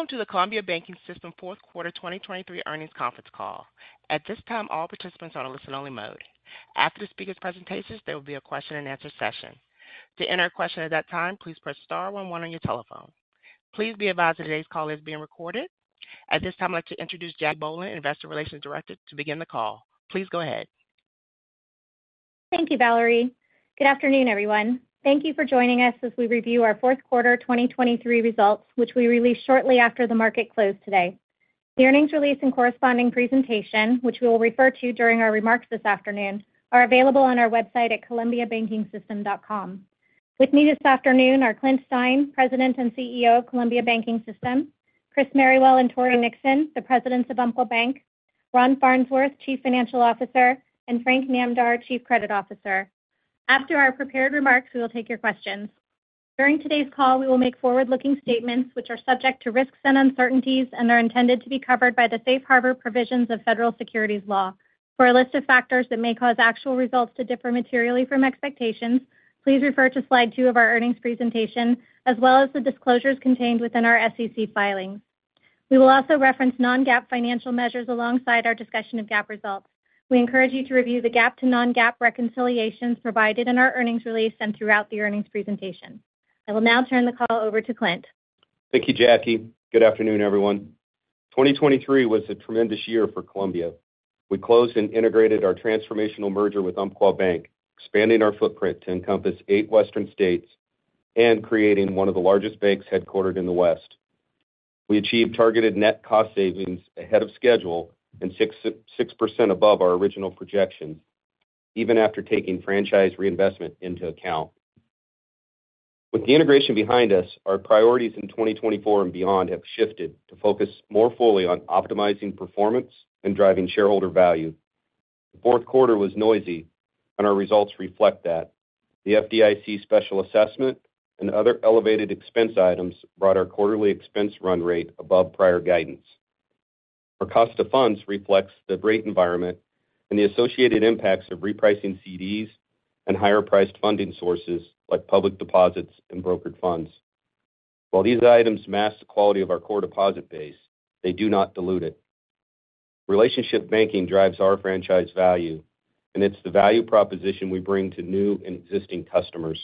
Welcome to the Columbia Banking System Fourth Quarter 2023 Earnings Conference Call. At this time, all participants are on a listen only mode. After the speaker's presentations, there will be a question and answer session. To enter a question at that time, please press star one one on your telephone. Please be advised today's call is being recorded. At this time, I'd like to introduce Jacque Bohlen, Investor Relations Director, to begin the call. Please go ahead. Thank you, Valerie. Good afternoon, everyone. Thank you for joining us as we review our Fourth Quarter 2023 Results, which we released shortly after the market closed today. The earnings release and corresponding presentation, which we will refer to during our remarks this afternoon, are available on our website at columbiabankingsystem.com. With me this afternoon are Clint Stein, President and CEO of Columbia Banking System, Chris Merrywell and Tory Nixon, the presidents of Umpqua Bank, Ron Farnsworth, Chief Financial Officer, and Frank Namdar, Chief Credit Officer. After our prepared remarks, we will take your questions. During today's call, we will make forward-looking statements which are subject to risks and uncertainties and are intended to be covered by the safe harbor provisions of federal securities law. For a list of factors that may cause actual results to differ materially from expectations, please refer to slide two of our earnings presentation, as well as the disclosures contained within our SEC filings. We will also reference non-GAAP financial measures alongside our discussion of GAAP results. We encourage you to review the GAAP to non-GAAP reconciliations provided in our earnings release and throughout the earnings presentation. I will now turn the call over to Clint. Thank you, Jacque. Good afternoon, everyone. 2023 was a tremendous year for Columbia. We closed and integrated our transformational merger with Umpqua Bank, expanding our footprint to encompass 8 Western states and creating one of the largest banks headquartered in the West. We achieved targeted net cost savings ahead of schedule and 6.6% above our original projections, even after taking franchise reinvestment into account. With the integration behind us, our priorities in 2024 and beyond have shifted to focus more fully on optimizing performance and driving shareholder value. The fourth quarter was noisy and our results reflect that. The FDIC special assessment and other elevated expense items brought our quarterly expense run rate above prior guidance. Our cost of funds reflects the rate environment and the associated impacts of repricing CDs and higher priced funding sources like public deposits and brokered funds. While these items mask the quality of our core deposit base, they do not dilute it. Relationship banking drives our franchise value, and it's the value proposition we bring to new and existing customers.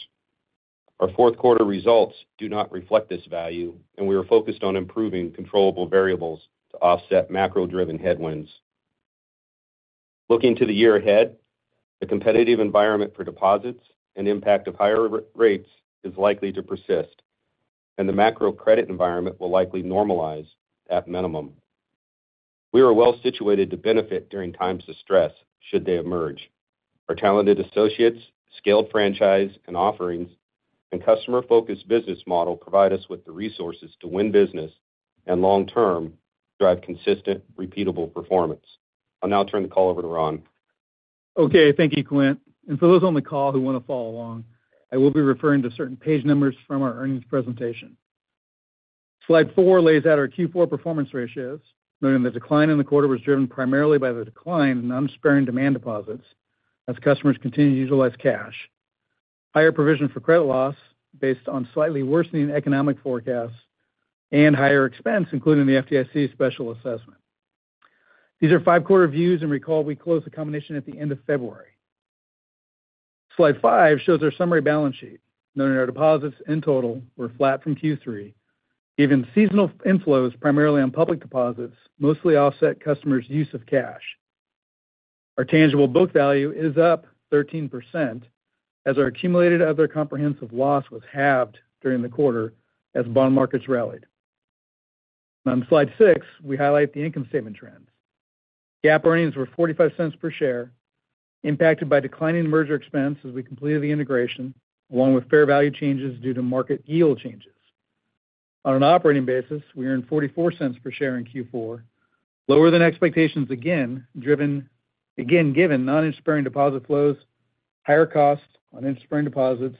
Our fourth quarter results do not reflect this value, and we are focused on improving controllable variables to offset macro-driven headwinds. Looking to the year ahead, the competitive environment for deposits and impact of higher rates is likely to persist, and the macro credit environment will likely normalize at minimum. We are well situated to benefit during times of stress should they emerge. Our talented associates, scaled franchise and offerings, and customer-focused business model provide us with the resources to win business and long-term, drive consistent, repeatable performance. I'll now turn the call over to Ron. Okay, thank you, Clint. For those on the call who want to follow along, I will be referring to certain page numbers from our earnings presentation. Slide 4 lays out our Q4 performance ratios, noting the decline in the quarter was driven primarily by the decline in non-interest-bearing demand deposits as customers continue to utilize cash. Higher provision for credit loss based on slightly worsening economic forecasts and higher expense, including the FDIC special assessment. These are 5-quarter views, and recall we closed the combination at the end of February. Slide 5 shows our summary balance sheet, noting our deposits in total were flat from Q3, giving seasonal inflows primarily on public deposits, mostly offset customers' use of cash. Our tangible book value is up 13% as our accumulated other comprehensive loss was halved during the quarter as bond markets rallied. On slide six, we highlight the income statement trends. GAAP earnings were $0.45 per share, impacted by declining merger expense as we completed the integration, along with fair value changes due to market yield changes. On an operating basis, we earned $0.44 per share in Q4, lower than expectations again, driven again, given non-interest bearing deposit flows, higher costs on interest-bearing deposits,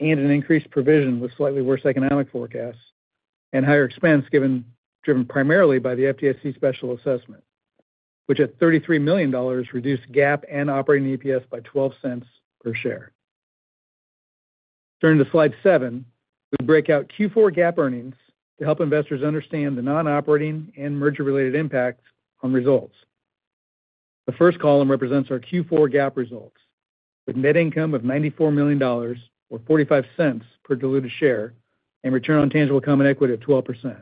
and an increased provision with slightly worse economic forecasts and higher expense, driven primarily by the FDIC special assessment, which at $33 million, reduced GAAP and operating EPS by $0.12 per share. Turning to slide seven, we break out Q4 GAAP earnings to help investors understand the non-operating and merger-related impacts on results. The first column represents our Q4 GAAP results, with net income of $94 million or $0.45 per diluted share, and return on tangible common equity at 12%.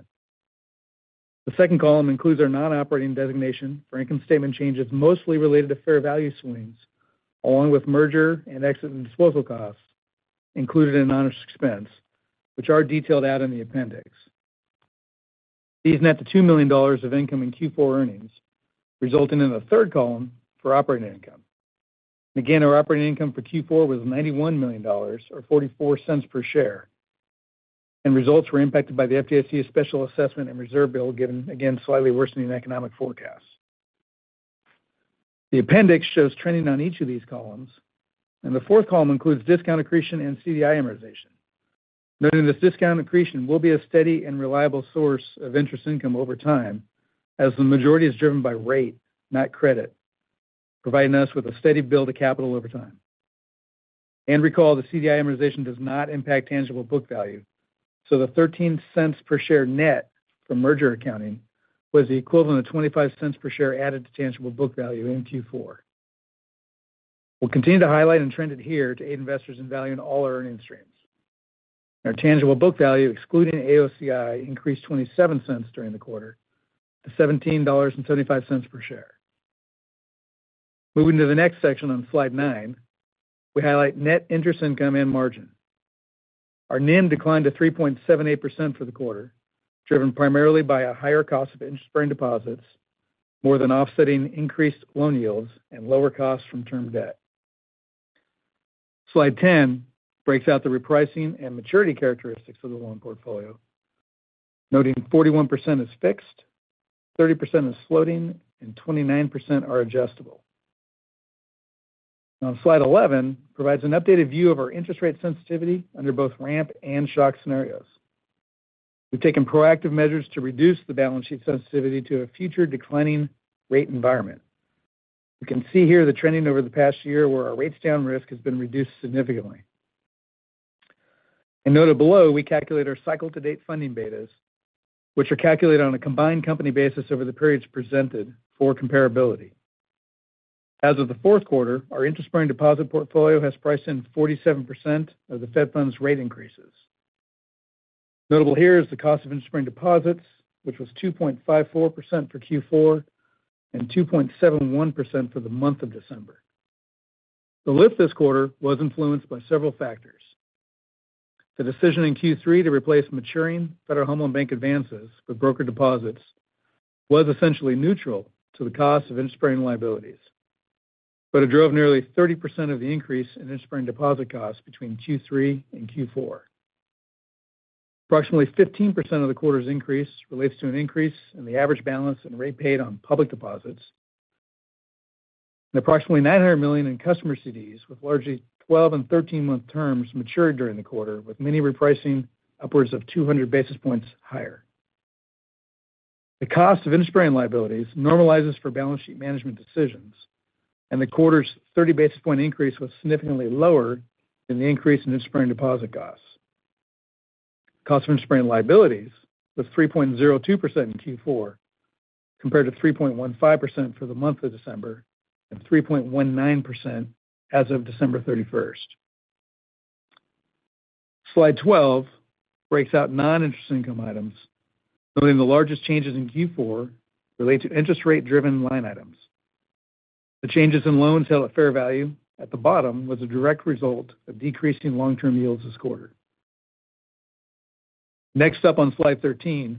The second column includes our non-operating designation for income statement changes, mostly related to fair value swings, along with merger and exit and disposal costs included in non-interest expense, which are detailed out in the appendix. These net to $2 million of income in Q4 earnings, resulting in the third column for operating income. Again, our operating income for Q4 was $91 million or 44 cents per share, and results were impacted by the FDIC special assessment and reserve build, given again, slightly worsening economic forecasts. The appendix shows trending on each of these columns, and the fourth column includes discount accretion and CDI amortization, noting this discount accretion will be a steady and reliable source of interest income over time, as the majority is driven by rate, not credit, providing us with a steady build of capital over time. Recall, the CDI amortization does not impact tangible book value. So the 13 cents per share net from merger accounting was the equivalent of 25 cents per share added to tangible book value in Q4. We'll continue to highlight and trend it here to aid investors in valuing all our earning streams. Our tangible book value, excluding AOCI, increased 27 cents during the quarter to $17.75 per share. Moving to the next section on slide 9, we highlight net interest income and margin. Our NIM declined to 3.78% for the quarter, driven primarily by a higher cost of interest-bearing deposits, more than offsetting increased loan yields and lower costs from term debt. Slide 10 breaks out the repricing and maturity characteristics of the loan portfolio, noting 41% is fixed, 30% is floating, and 29% are adjustable. Now, slide 11 provides an updated view of our interest rate sensitivity under both ramp and shock scenarios. We've taken proactive measures to reduce the balance sheet sensitivity to a future declining rate environment. You can see here the trending over the past year, where our rates down risk has been reduced significantly. And noted below, we calculate our cycle-to-date funding betas, which are calculated on a combined company basis over the periods presented for comparability. As of the fourth quarter, our interest bearing deposit portfolio has priced in 47% of the Fed funds rate increases. Notable here is the cost of interest bearing deposits, which was 2.54% for Q4 and 2.71% for the month of December. The lift this quarter was influenced by several factors. The decision in Q3 to replace maturing Federal Home Loan Bank advances with broker deposits was essentially neutral to the cost of interest-bearing liabilities. But it drove nearly 30% of the increase in interest-bearing deposit costs between Q3 and Q4. Approximately 15% of the quarter's increase relates to an increase in the average balance and rate paid on public deposits. Approximately $900 million in customer CDs, with largely 12 and 13-month terms, matured during the quarter, with many repricing upwards of 200 basis points higher. The cost of interest-bearing liabilities normalizes for balance sheet management decisions, and the quarter's 30 basis point increase was significantly lower than the increase in interest-bearing deposit costs. Cost of interest-bearing liabilities was 3.02% in Q4, compared to 3.15% for the month of December and 3.19% as of December 31. Slide 12 breaks out non-interest income items, noting the largest changes in Q4 relate to interest rate-driven line items. The changes in loans held at fair value at the bottom was a direct result of decreasing long-term yields this quarter. Next up on slide 13,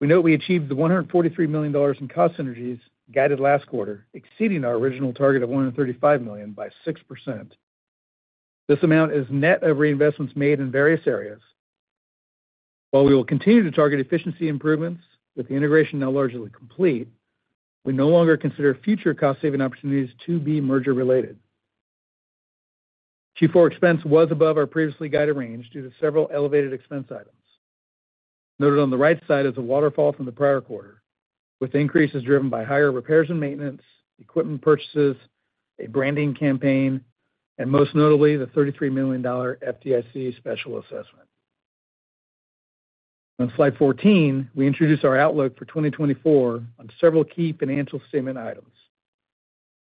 we note we achieved $143 million in cost synergies guided last quarter, exceeding our original target of $135 million by 6%. This amount is net of reinvestments made in various areas. While we will continue to target efficiency improvements, with the integration now largely complete, we no longer consider future cost-saving opportunities to be merger related. Q4 expense was above our previously guided range due to several elevated expense items. Noted on the right side is a waterfall from the prior quarter, with increases driven by higher repairs and maintenance, equipment purchases, a branding campaign, and most notably, the $33 million FDIC special assessment. On slide 14, we introduce our outlook for 2024 on several key financial statement items.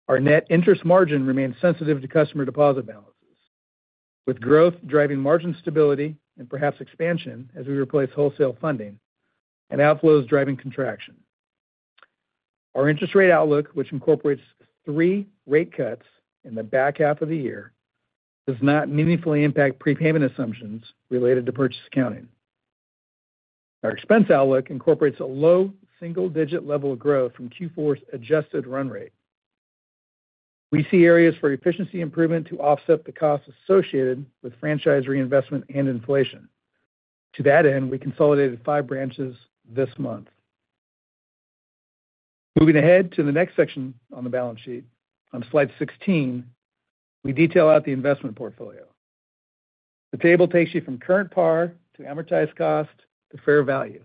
Our net interest margin remains sensitive to customer deposit balances, with growth driving margin stability and perhaps expansion as we replace wholesale funding and outflows driving contraction. Our interest rate outlook, which incorporates three rate cuts in the back half of the year, does not meaningfully impact prepayment assumptions related to purchase accounting. Our expense outlook incorporates a low single-digit level of growth from Q4's adjusted run rate. We see areas for efficiency improvement to offset the costs associated with franchise reinvestment and inflation. To that end, we consolidated five branches this month. Moving ahead to the next section on the balance sheet. On slide 16, we detail out the investment portfolio. The table takes you from current par to amortized cost to fair value,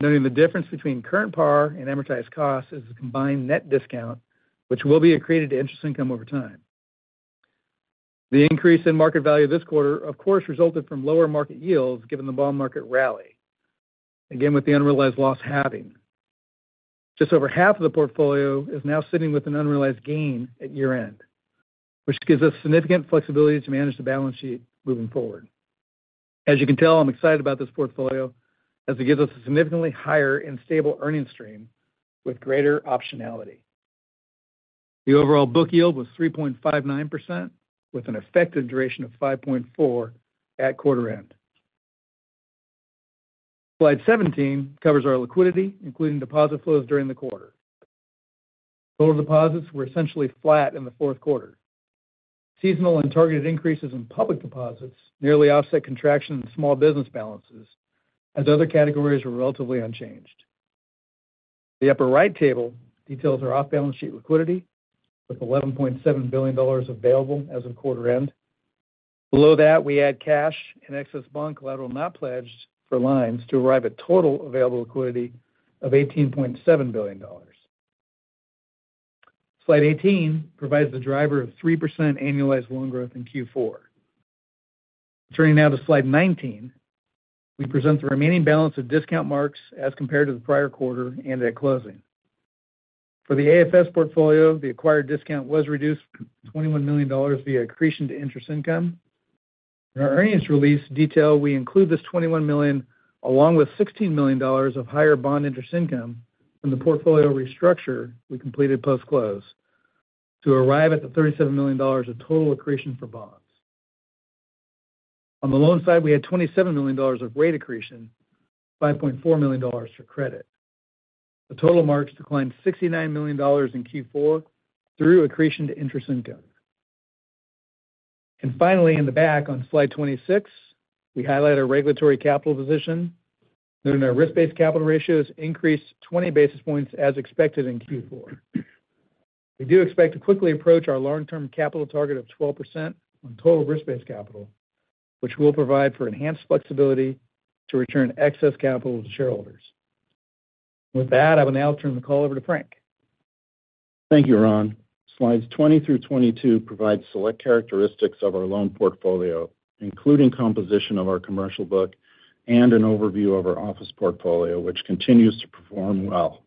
noting the difference between current par and amortized cost is a combined net discount, which will be accreted to interest income over time. The increase in market value this quarter, of course, resulted from lower market yields given the bond market rally, again, with the unrealized loss halving. Just over half of the portfolio is now sitting with an unrealized gain at year-end, which gives us significant flexibility to manage the balance sheet moving forward. As you can tell, I'm excited about this portfolio as it gives us a significantly higher and stable earnings stream with greater optionality. The overall book yield was 3.59%, with an effective duration of 5.4 at quarter end. Slide 17 covers our liquidity, including deposit flows during the quarter. Total deposits were essentially flat in the fourth quarter. Seasonal and targeted increases in public deposits nearly offset contraction in small business balances, as other categories were relatively unchanged. The upper right table details our off-balance sheet liquidity, with $11.7 billion available as of quarter end. Below that, we add cash and excess bond collateral not pledged for lines to arrive at total available liquidity of $18.7 billion. Slide 18 provides the driver of 3% annualized loan growth in Q4. Turning now to slide 19, we present the remaining balance of discount marks as compared to the prior quarter and at closing. For the AFS portfolio, the acquired discount was reduced $21 million via accretion to interest income. In our earnings release detail, we include this $21 million, along with $16 million of higher bond interest income from the portfolio restructure we completed post-close, to arrive at the $37 million of total accretion for bonds. On the loan side, we had $27 million of weighted accretion, $5.4 million for credit. The total marks declined $69 million in Q4 through accretion to interest income. And finally, in the back on slide 26, we highlight our regulatory capital position, noting our risk-based capital ratios increased 20 basis points as expected in Q4. We do expect to quickly approach our long-term capital target of 12% on total risk-based capital, which will provide for enhanced flexibility to return excess capital to shareholders. With that, I will now turn the call over to Frank. Thank you, Ron. Slides 20 through 22 provide select characteristics of our loan portfolio, including composition of our commercial book and an overview of our office portfolio, which continues to perform well.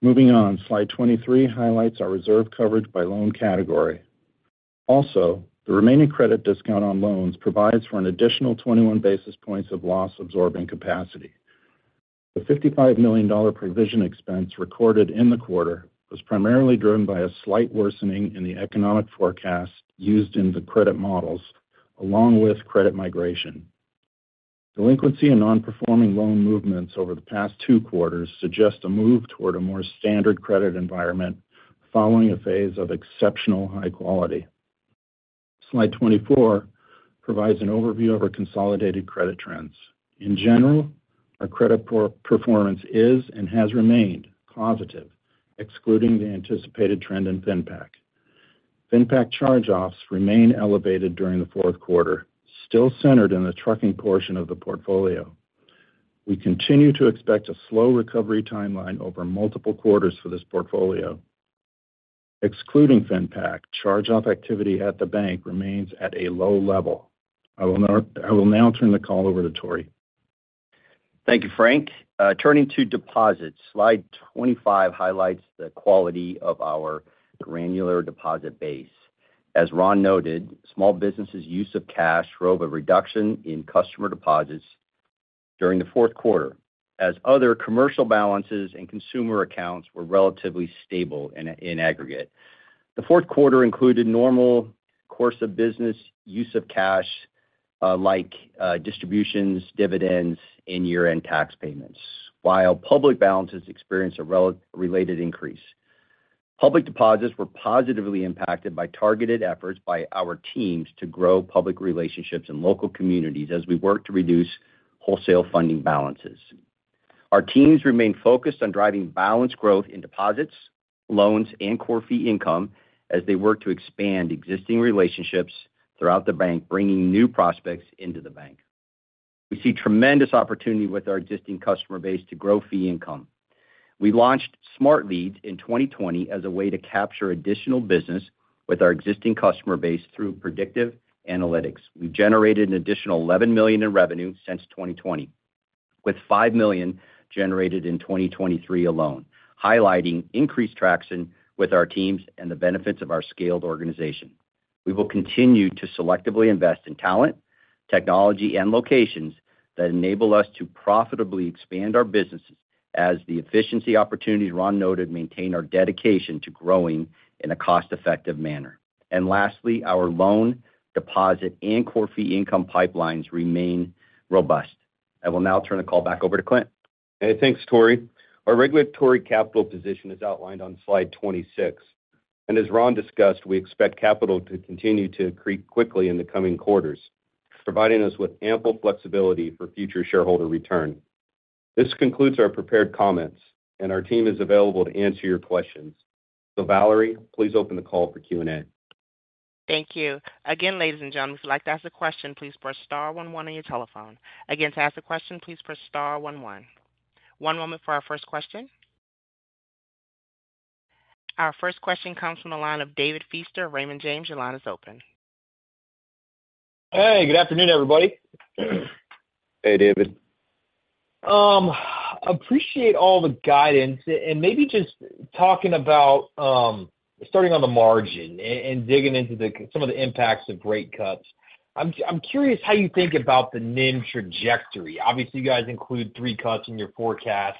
Moving on, slide 23 highlights our reserve coverage by loan category. Also, the remaining credit discount on loans provides for an additional 21 basis points of loss-absorbing capacity. The $55 million provision expense recorded in the quarter was primarily driven by a slight worsening in the economic forecast used in the credit models, along with credit migration. Delinquency and non-performing loan movements over the past two quarters suggest a move toward a more standard credit environment following a phase of exceptional high quality. Slide 24 provides an overview of our consolidated credit trends. In general, our credit performance is and has remained positive, excluding the anticipated trend in FinPac. FinPac charge-offs remain elevated during the fourth quarter, still centered in the trucking portion of the portfolio. We continue to expect a slow recovery timeline over multiple quarters for this portfolio. Excluding FinPac, charge-off activity at the bank remains at a low level. I will now, I will now turn the call over to Tory. Thank you, Frank. Turning to deposits. Slide 25 highlights the quality of our granular deposit base. As Ron noted, small businesses' use of cash drove a reduction in customer deposits during the fourth quarter, as other commercial balances and consumer accounts were relatively stable in aggregate. The fourth quarter included normal course of business use of cash, like distributions, dividends, and year-end tax payments, while public balances experienced a related increase. Public deposits were positively impacted by targeted efforts by our teams to grow public relationships in local communities as we work to reduce wholesale funding balances. Our teams remain focused on driving balance growth in deposits, loans, and core fee income as they work to expand existing relationships throughout the bank, bringing new prospects into the bank. We see tremendous opportunity with our existing customer base to grow fee income. We launched SmartLeads in 2020 as a way to capture additional business with our existing customer base through predictive analytics. We've generated an additional $11 million in revenue since 2020, with $5 million generated in 2023 alone, highlighting increased traction with our teams and the benefits of our scaled organization. We will continue to selectively invest in talent, technology, and locations that enable us to profitably expand our businesses as the efficiency opportunities Ron noted maintain our dedication to growing in a cost-effective manner. And lastly, our loan, deposit, and core fee income pipelines remain robust. I will now turn the call back over to Clint. Hey, thanks, Tory. Our regulatory capital position is outlined on slide 26, and as Ron discussed, we expect capital to continue to accrete quickly in the coming quarters, providing us with ample flexibility for future shareholder return. This concludes our prepared comments, and our team is available to answer your questions. So Valerie, please open the call for Q&A. Thank you. Again, ladies and gentlemen, if you'd like to ask a question, please press star one one on your telephone. Again, to ask a question, please press star one one. One moment for our first question. Our first question comes from the line of David Feaster, Raymond James. Your line is open. Hey, good afternoon, everybody. Hey, David. Appreciate all the guidance and maybe just talking about starting on the margin and digging into some of the impacts of rate cuts. I'm curious how you think about the NIM trajectory. Obviously, you guys include three cuts in your forecast.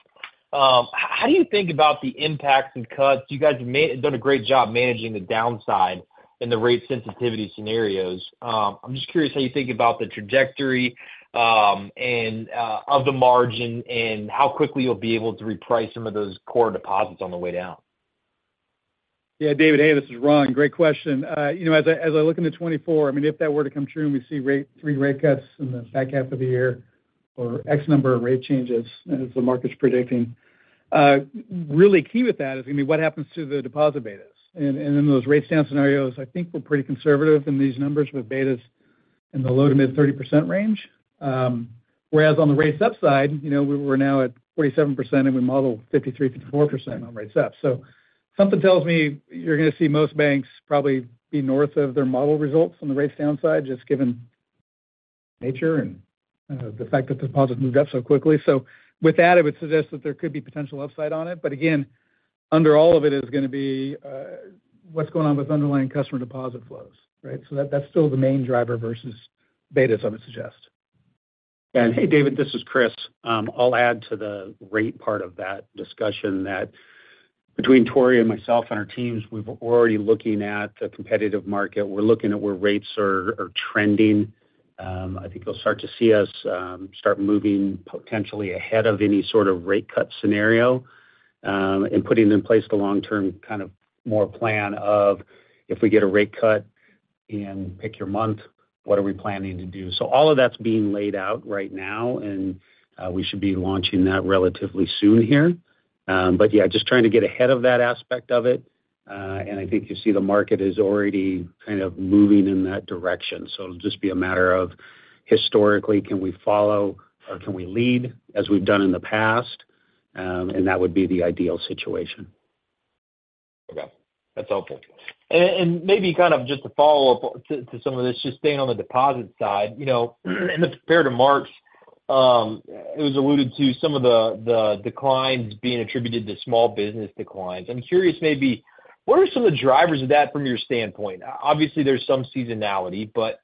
How do you think about the impacts and cuts? You guys have done a great job managing the downside in the rate sensitivity scenarios. I'm just curious how you think about the trajectory and of the margin and how quickly you'll be able to reprice some of those core deposits on the way down. Yeah, David. Hey, this is Ron. Great question. You know, as I look into 2024, I mean, if that were to come true, and we see rate—3 rate cuts in the back half of the year or X number of rate changes as the market's predicting. Really key with that is gonna be what happens to the deposit betas. And, and in those rate down scenarios, I think we're pretty conservative in these numbers with betas in the low-to mid-30% range. Whereas on the rate upside, you know, we, we're now at 47%, and we model 53%-54% on rates up. So something tells me you're gonna see most banks probably be north of their model results on the rate downside, just given nature and the fact that deposits moved up so quickly. So with that, I would suggest that there could be potential upside on it. But again, under all of it is gonna be what's going on with underlying customer deposit flows, right? So that's still the main driver versus betas, I would suggest. Hey, David, this is Chris. I'll add to the rate part of that discussion, that between Tory and myself and our teams, we're already looking at the competitive market. We're looking at where rates are trending. I think you'll start to see us start moving potentially ahead of any sort of rate cut scenario, and putting in place the long-term kind of more plan of, if we get a rate cut and pick your month, what are we planning to do? So all of that's being laid out right now, and we should be launching that relatively soon here. But yeah, just trying to get ahead of that aspect of it. And I think you see the market is already kind of moving in that direction. So it'll just be a matter of, historically, can we follow or can we lead as we've done in the past? And that would be the ideal situation. Okay, that's helpful. And maybe kind of just a follow-up to some of this, just staying on the deposit side. You know, in the compared to March, it was alluded to some of the declines being attributed to small business declines. I'm curious, maybe, what are some of the drivers of that from your standpoint? Obviously, there's some seasonality, but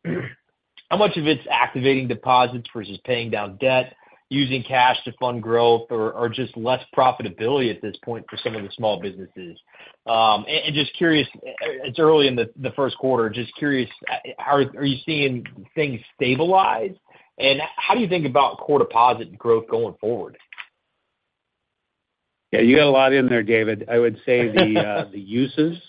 how much of it's activating deposits versus paying down debt, using cash to fund growth or just less profitability at this point for some of the small businesses? And just curious, it's early in the first quarter, just curious, how are you seeing things stabilize? And how do you think about core deposit growth going forward? Yeah, you got a lot in there, David. I would say the uses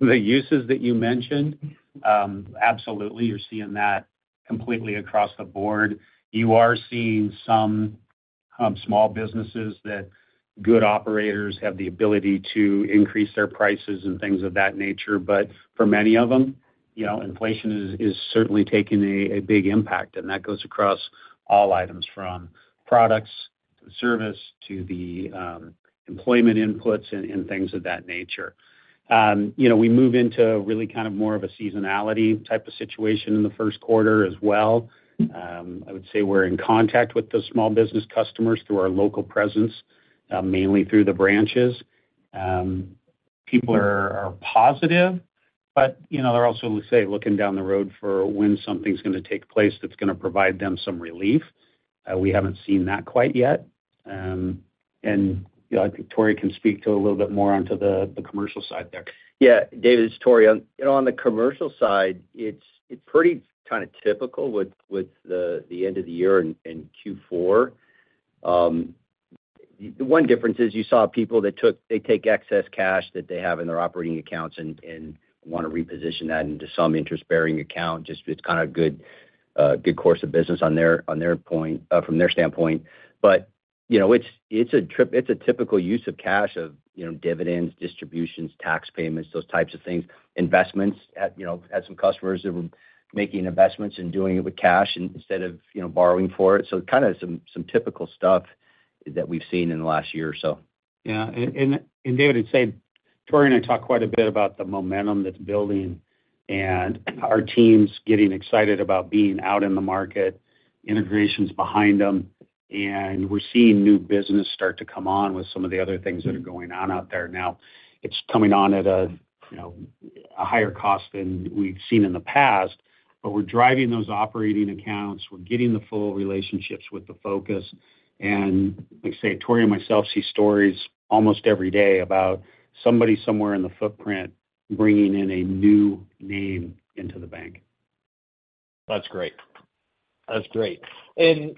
that you mentioned, absolutely, you're seeing that completely across the board. You are seeing some small businesses that good operators have the ability to increase their prices and things of that nature. But for many of them, you know, inflation is certainly taking a big impact, and that goes across all items, from products to service to the employment inputs and things of that nature. You know, we move into really kind of more of a seasonality type of situation in the first quarter as well. I would say we're in contact with the small business customers through our local presence, mainly through the branches. People are positive, but you know, they're also, let's say, looking down the road for when something's gonna take place that's gonna provide them some relief. We haven't seen that quite yet. And, you know, I think Tory can speak to a little bit more onto the commercial side there. Yeah. David, it's Tory. On the commercial side, it's pretty kind of typical with the end of the year in Q4. The one difference is you saw people that took—they take excess cash that they have in their operating accounts and wanna reposition that into some interest-bearing account. Just it's kind of good course of business on their point from their standpoint. But, you know, it's a typical use of cash of, you know, dividends, distributions, tax payments, those types of things. Investments, you know, had some customers that were making investments and doing it with cash, instead of, you know, borrowing for it. So kind of some typical stuff that we've seen in the last year or so. Yeah. And David, I'd say, Tory and I talked quite a bit about the momentum that's building and our teams getting excited about being out in the market, integration's behind them, and we're seeing new business start to come on with some of the other things that are going on out there. Now, it's coming on at a, you know, a higher cost than we've seen in the past, but we're driving those operating accounts. We're getting the full relationships with the focus. And like I say, Tory and myself see stories almost every day about somebody somewhere in the footprint bringing in a new name into the bank. That's great. That's great. And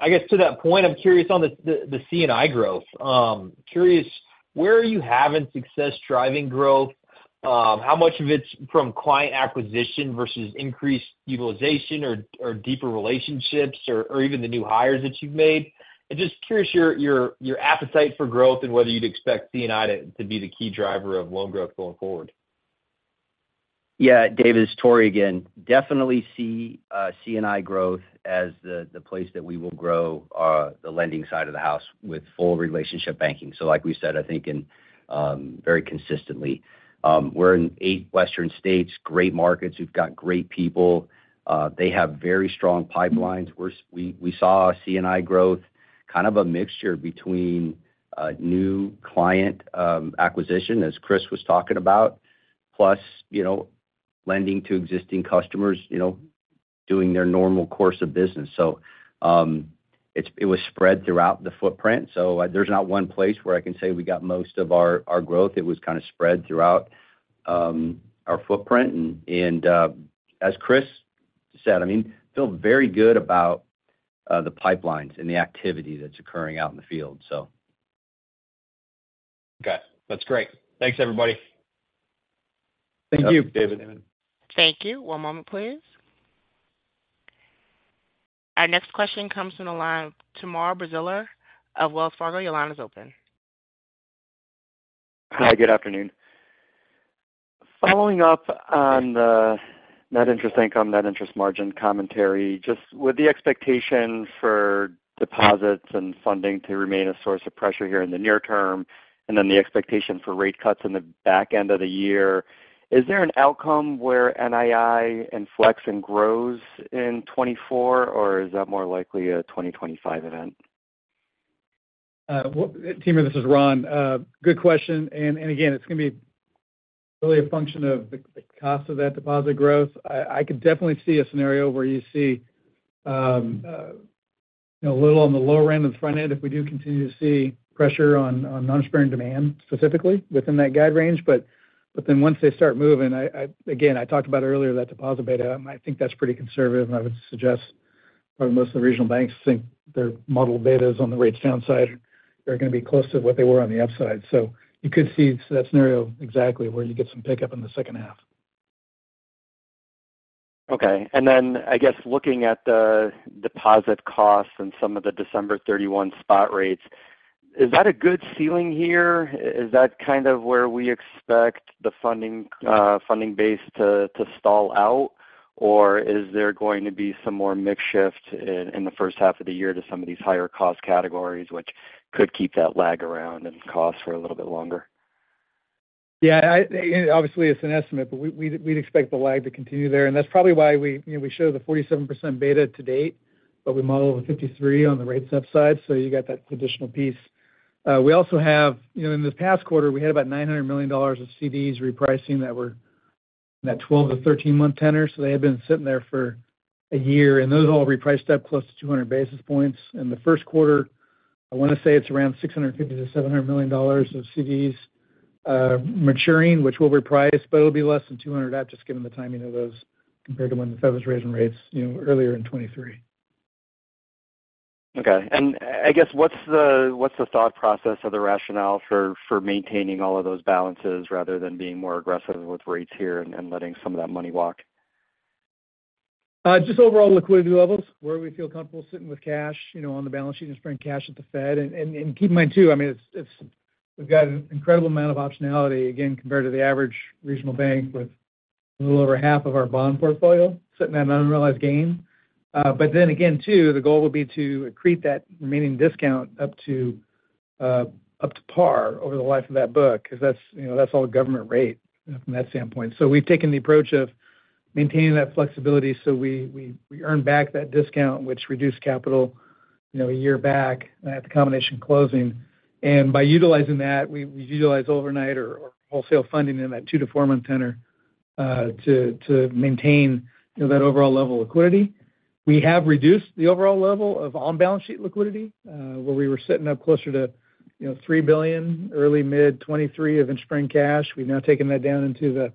I guess to that point, I'm curious on the, the C&I growth. Curious, where are you having success driving growth? How much of it's from client acquisition versus increased utilization or, or deeper relationships or, or even the new hires that you've made? And just curious, your, your, your appetite for growth and whether you'd expect C&I to, to be the key driver of loan growth going forward. Yeah, David, it's Tory again. Definitely see C&I growth as the place that we will grow the lending side of the house with full relationship banking. So like we said, I think in, very consistently, we're in eight western states, great markets. We've got great people. They have very strong pipelines. We saw C&I growth, kind of a mixture between new client acquisition, as Chris was talking about, plus, you know, lending to existing customers, you know, doing their normal course of business. So, it's, it was spread throughout the footprint, so there's not one place where I can say we got most of our growth. It was kind of spread throughout our footprint. As Chris said, I mean, feel very good about the pipelines and the activity that's occurring out in the field, so. Okay, that's great. Thanks, everybody. Thank you, David. Thank you. One moment, please. Our next question comes from the line, Timur Braziler of Wells Fargo. Your line is open. Hi, good afternoon. Following up on the net interest income, net interest margin commentary, just with the expectation for deposits and funding to remain a source of pressure here in the near term, and then the expectation for rate cuts in the back end of the year, is there an outcome where NII inflects and grows in 2024, or is that more likely a 2025 event? Well, Timur, this is Ron. Good question, and again, it's going to be really a function of the cost of that deposit growth. I could definitely see a scenario where you see you know, a little on the lower end of the front end if we do continue to see pressure on noninterest-bearing demand, specifically within that guide range. But then once they start moving, again, I talked about earlier that deposit beta, I think that's pretty conservative, and I would suggest probably most of the regional banks think their model betas on the rates downside are going to be close to what they were on the upside. So you could see that scenario exactly where you get some pickup in the second half. Okay. And then I guess, looking at the deposit costs and some of the December 31 spot rates, is that a good ceiling here? Is that kind of where we expect the funding, funding base to, to stall out? Or is there going to be some more mix shift in, in the first half of the year to some of these higher cost categories, which could keep that lag around and costs for a little bit longer? Yeah, I obviously, it's an estimate, but we'd expect the lag to continue there. And that's probably why, you know, we show the 47% beta to date, but we model the 53 on the rates upside, so you got that additional piece. We also have, you know, in this past quarter, we had about $900 million of CDs repricing that were 12-to 13-month tenor. So they had been sitting there for a year, and those all repriced up close to 200 basis points. In the first quarter, I want to say it's around $650 million-$700 million of CDs maturing, which we'll reprice, but it'll be less than 200, just given the timing of those compared to when the Fed was raising rates, you know, earlier in 2023. Okay. And I guess, what's the thought process or the rationale for maintaining all of those balances rather than being more aggressive with rates here and letting some of that money walk? Just overall liquidity levels, where we feel comfortable sitting with cash, you know, on the balance sheet and sweep cash at the Fed. Keep in mind, too, I mean, we've got an incredible amount of optionality, again, compared to the average regional bank with a little over half of our bond portfolio sitting in an unrealized gain. But then again, too, the goal will be to accrete that remaining discount up to par over the life of that book, because that's, you know, that's all government rate from that standpoint. So we've taken the approach of maintaining that flexibility so we earn back that discount, which reduced capital, you know, a year back at the combination closing. By utilizing that, we utilize overnight or wholesale funding in that two-four month tenor to maintain, you know, that overall level of liquidity. We have reduced the overall level of on-balance sheet liquidity, where we were sitting up closer to, you know, $3 billion early-mid 2023 in spring cash. We've now taken that down into the,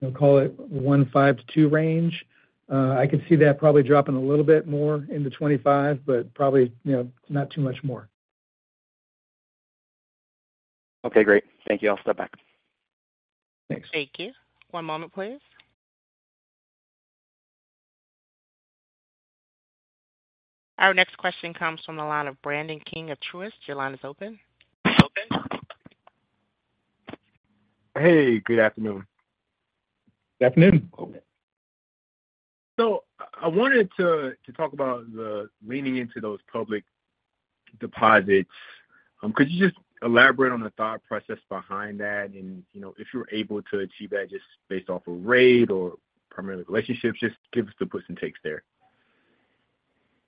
you know, call it $1.5 billion-$2 billion range. I could see that probably dropping a little bit more into 2025, but probably, you know, not too much more. Okay, great. Thank you. I'll step back. Thanks. Thank you. One moment, please. Our next question comes from the line of Brandon King of Truist. Your line is open. Hey, good afternoon. Good afternoon. I wanted to talk about leaning into those public deposits. Could you just elaborate on the thought process behind that? And, you know, if you're able to achieve that just based off a rate or primarily relationships, just give us the push and takes there.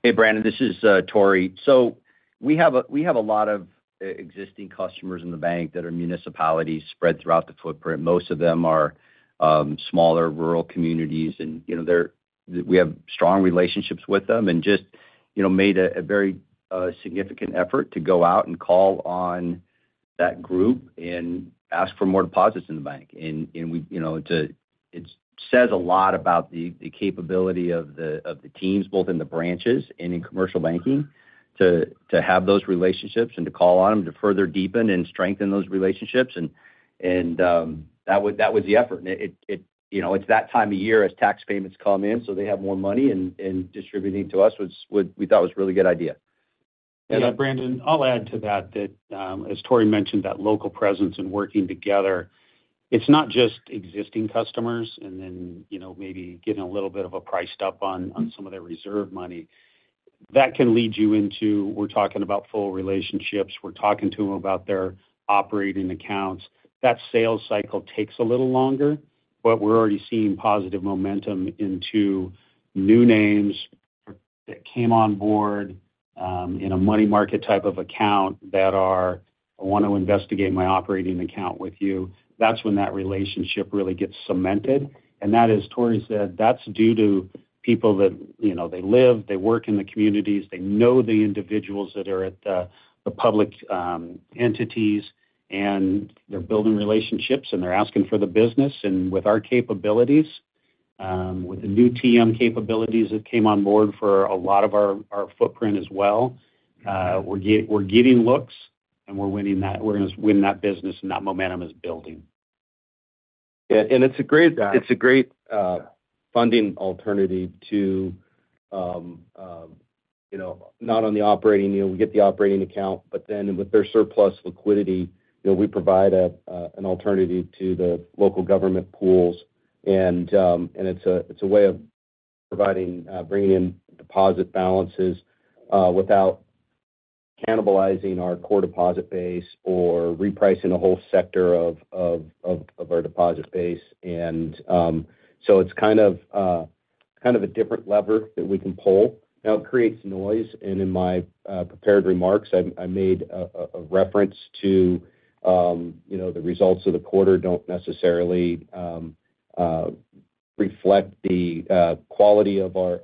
Hey, Brandon, this is Tory. So we have a lot of existing customers in the bank that are municipalities spread throughout the footprint. Most of them are smaller rural communities and, you know, they're—we have strong relationships with them and just, you know, made a very significant effort to go out and call on that group and ask for more deposits in the bank. And we, you know, to—it says a lot about the capability of the teams, both in the branches and in commercial banking, to have those relationships and to call on them to further deepen and strengthen those relationships. That was the effort. You know, it's that time of year as tax payments come in, so they have more money and distributing to us would, we thought, was a really good idea. Yeah, Brandon, I'll add to that, as Tory mentioned, that local presence and working together, it's not just existing customers and then, you know, maybe getting a little bit of a priced up on some of their reserve money. That can lead you into, we're talking about full relationships, we're talking to them about their operating accounts. That sales cycle takes a little longer, but we're already seeing positive momentum into new names that came on board in a money market type of account that are, I want to investigate my operating account with you. That's when that relationship really gets cemented. And that is, Tory said, that's due to people that, you know, they live, they work in the communities, they know the individuals that are at the public entities, and they're building relationships, and they're asking for the business. And with our capabilities with the new TM capabilities that came on board for a lot of our footprint as well, we're getting looks, and we're winning that. We're gonna win that business, and that momentum is building. And it's a great funding alternative to, you know, not on the operating, you know, we get the operating account, but then with their surplus liquidity, you know, we provide an alternative to the local government pools. And it's a way of providing bringing in deposit balances without cannibalizing our core deposit base or repricing a whole sector of our deposit base. And so it's kind of a different lever that we can pull. Now, it creates noise, and in my prepared remarks, I made a reference to, you know, the results of the quarter don't necessarily reflect the quality of our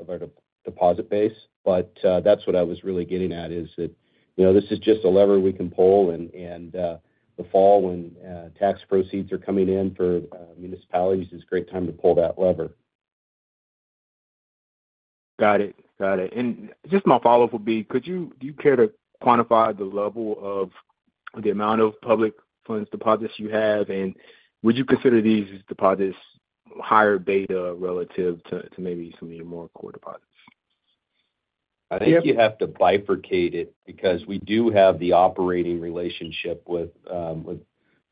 deposit base. But that's what I was really getting at, is that, you know, this is just a lever we can pull. And the fall, when tax proceeds are coming in for municipalities, is a great time to pull that lever. Got it. Got it. And just my follow-up would be: Could you, do you care to quantify the level of the amount of public funds deposits you have? And would you consider these deposits higher beta relative to, to maybe some of your more core deposits? I think you have to bifurcate it because we do have the operating relationship with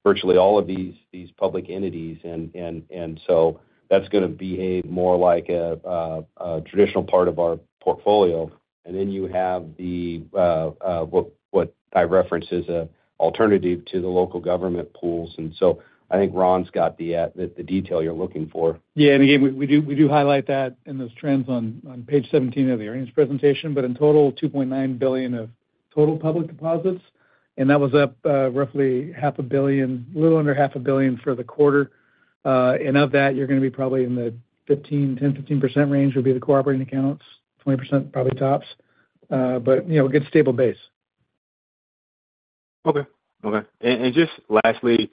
virtually all of these public entities. And so that's gonna behave more like a traditional part of our portfolio. And then you have the what I reference as a alternative to the local government pools. And so I think Ron's got the the detail you're looking for. Yeah, and again, we do highlight that in those trends on page 17 of the earnings presentation. But in total, $2.9 billion of total public deposits, and that was up roughly $500 million, a little under $500 million for the quarter. And of that, you're gonna be probably in the 10%-15% range, would be the core operating accounts, 20%, probably tops. But you know, a good stable base. Okay. And just lastly,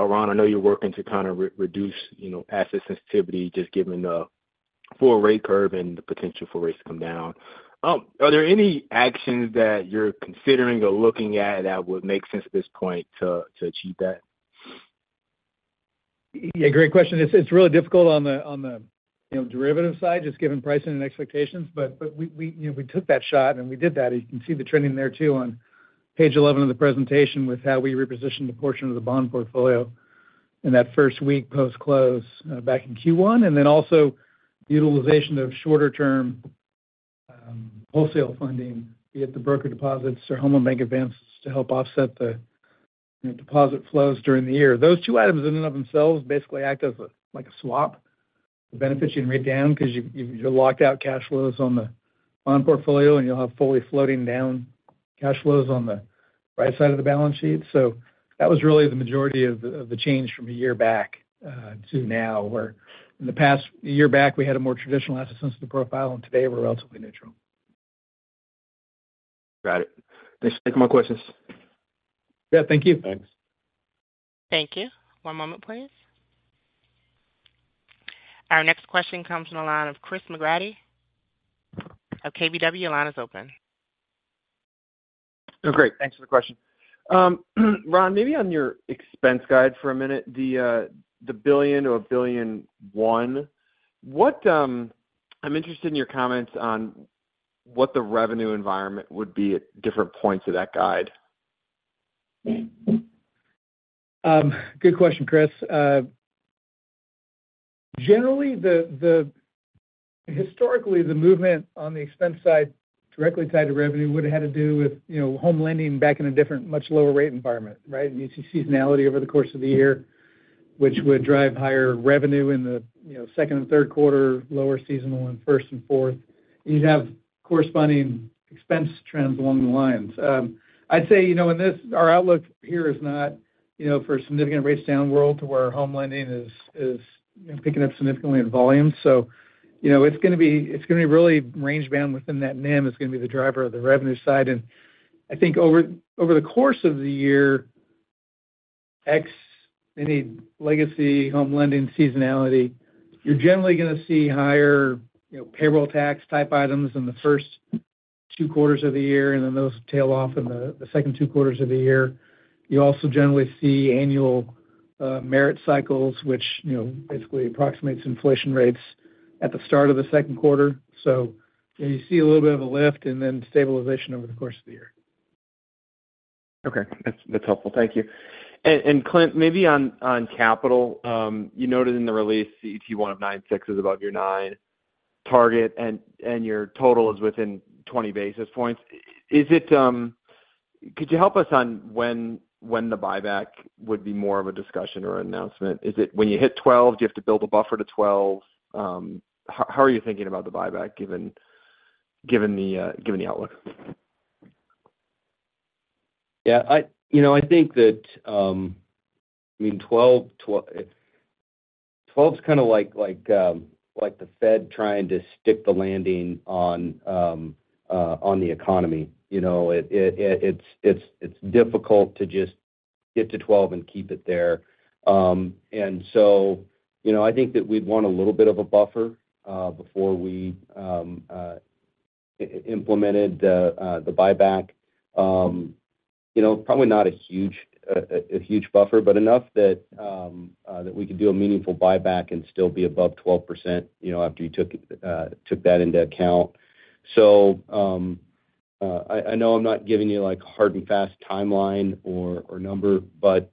Ron, I know you're working to kind of reduce, you know, asset sensitivity, just given the full rate curve and the potential for rates to come down. Are there any actions that you're considering or looking at that would make sense at this point to achieve that? Yeah, great question. It's, it's really difficult on the, on the, you know, derivative side, just given pricing and expectations. But, but we, we, you know, we took that shot, and we did that. You can see the trending there, too, on page 11 of the presentation, with how we repositioned a portion of the bond portfolio in that first week post-close, back in Q1. And then also the utilization of shorter-term, wholesale funding, be it the broker deposits or Home Loan Bank advances, to help offset the, you know, deposit flows during the year. Those two items, in and of themselves, basically act as a, like a swap. The benefit you can write down because you, you, you locked out cash flows on the bond portfolio, and you'll have fully floating down cash flows on the right side of the balance sheet. So that was really the majority of the change from a year back to now, where in the past, a year back, we had a more traditional asset-sensitive profile, and today we're relatively neutral. Got it. Thanks. Those are my questions. Yeah, thank you. Thanks. Thank you. One moment, please. Our next question comes from the line of Chris McGratty of KBW. Your line is open. Oh, great! Thanks for the question. Ron, maybe on your expense guide for a minute, the $1 billion-$1.1 billion, what I'm interested in your comments on what the revenue environment would be at different points of that guide. Good question, Chris. Generally, historically, the movement on the expense side, directly tied to revenue, would've had to do with, you know, home lending back in a different, much lower rate environment, right? You'd see seasonality over the course of the year, which would drive higher revenue in the, you know, second and third quarter, lower seasonal in first and fourth. You'd have corresponding expense trends along the lines. I'd say, you know, in this, our outlook here is not, you know, for a significant rate down world to where our home lending is, you know, picking up significantly in volume. So, you know, it's gonna be, it's gonna be really range bound within that NIM. It's gonna be the driver of the revenue side. I think over the course of the year, ex any legacy home lending seasonality, you're generally gonna see higher, you know, payroll tax type items in the first two quarters of the year, and then those tail off in the second two quarters of the year. You also generally see annual merit cycles, which, you know, basically approximates inflation rates at the start of the second quarter. You see a little bit of a lift and then stabilization over the course of the year. Okay. That's, that's helpful. Thank you. And Clint, maybe on capital, you noted in the release, CET1 of 9.6% is above your 9% target, and your total is within 20 basis points. Is it—could you help us on when the buyback would be more of a discussion or announcement? Is it when you hit 12? Do you have to build a buffer to 12? How are you thinking about the buyback, given the outlook? Yeah, you know, I think that, I mean, 12's kind of like, like, like the Fed trying to stick the landing on the economy. You know, it's difficult to just get to 12 and keep it there. And so, you know, I think that we'd want a little bit of a buffer before we implemented the buyback. You know, probably not a huge buffer, but enough that we could do a meaningful buyback and still be above 12%, you know, after you took that into account. So, I know I'm not giving you, like, a hard and fast timeline or number, but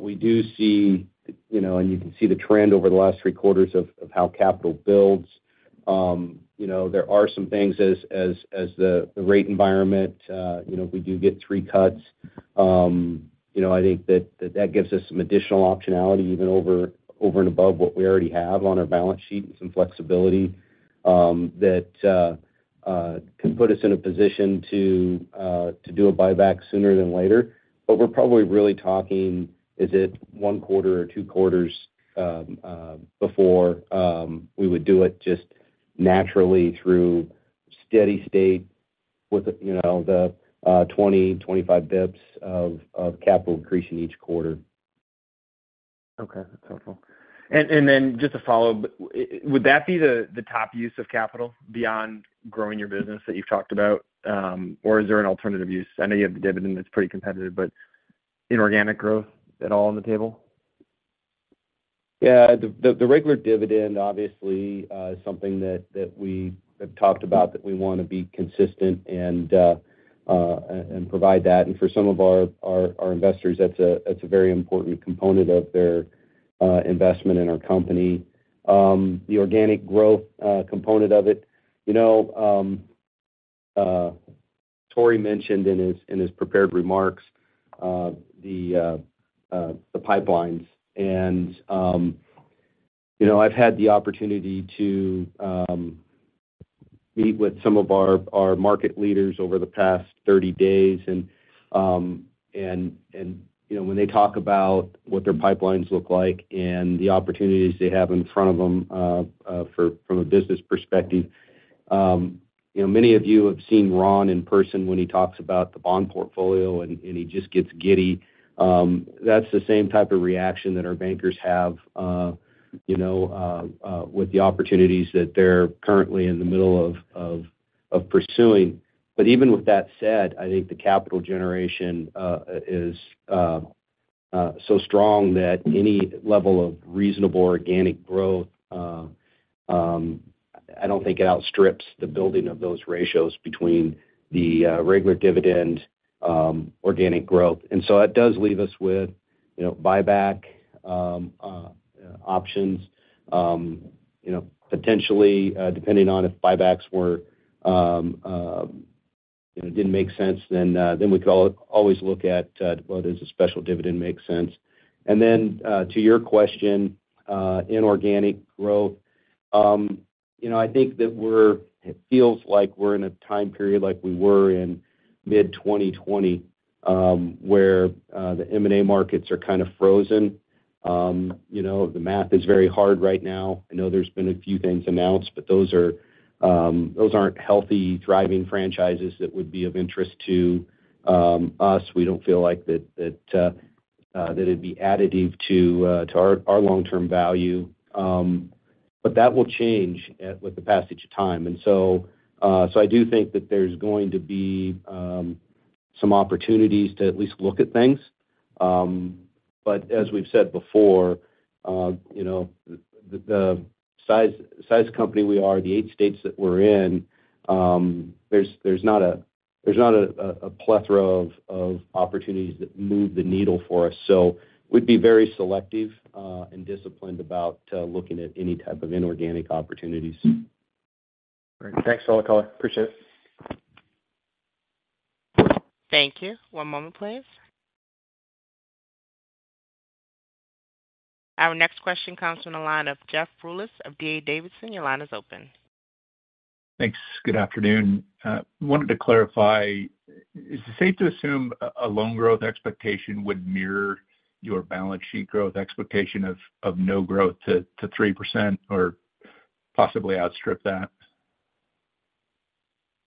we do see, you know, and you can see the trend over the last three quarters of how capital builds. You know, there are some things as the rate environment, you know, we do get three cuts. You know, I think that gives us some additional optionality, even over and above what we already have on our balance sheet, and some flexibility that can put us in a position to do a buyback sooner than later. But we're probably really talking, is it one quarter or two quarters, before we would do it just naturally through steady state with the, you know, the 25 basis points of capital increase in each quarter. Okay, that's helpful. And then just a follow-up. Would that be the top use of capital beyond growing your business that you've talked about? Or is there an alternative use? I know you have the dividend that's pretty competitive, but inorganic growth at all on the table? Yeah, the regular dividend, obviously, is something that we have talked about, that we want to be consistent and provide that. For some of our investors, that's a very important component of their investment in our company. The organic growth component of it, you know, Tory mentioned in his prepared remarks, the pipelines. You know, I've had the opportunity to meet with some of our market leaders over the past 30 days. And, you know, when they talk about what their pipelines look like and the opportunities they have in front of them, from a business perspective, you know, many of you have seen Ron in person when he talks about the bond portfolio, and he just gets giddy. That's the same type of reaction that our bankers have, you know, with the opportunities that they're currently in the middle of pursuing. But even with that said, I think the capital generation is so strong that any level of reasonable organic growth, I don't think it outstrips the building of those ratios between the regular dividend, organic growth. And so it does leave us with, you know, buyback options. You know, potentially, depending on if buybacks were, you know, didn't make sense, then we could always look at whether there's a special dividend makes sense. And then, to your question, inorganic growth. You know, I think that we're—it feels like we're in a time period like we were in mid-2020, where the M&A markets are kind of frozen. You know, the math is very hard right now. I know there's been a few things announced, but those aren't healthy, thriving franchises that would be of interest to us. We don't feel like that it'd be additive to our long-term value. But that will change with the passage of time. And so, so I do think that there's going to be, some opportunities to at least look at things. But as we've said before, you know, the, the size, size company we are, the eight states that we're in, there's, there's not a, there's not a, a plethora of, of opportunities that move the needle for us. So we'd be very selective, and disciplined about, looking at any type of inorganic opportunities. Great. Thanks for the call. Appreciate it. Thank you. One moment, please. Our next question comes from the line of Jeff Rulis of D.A. Davidson. Your line is open. Thanks. Good afternoon. Wanted to clarify, is it safe to assume a loan growth expectation would mirror your balance sheet growth expectation of no growth to 3% or possibly outstrip that?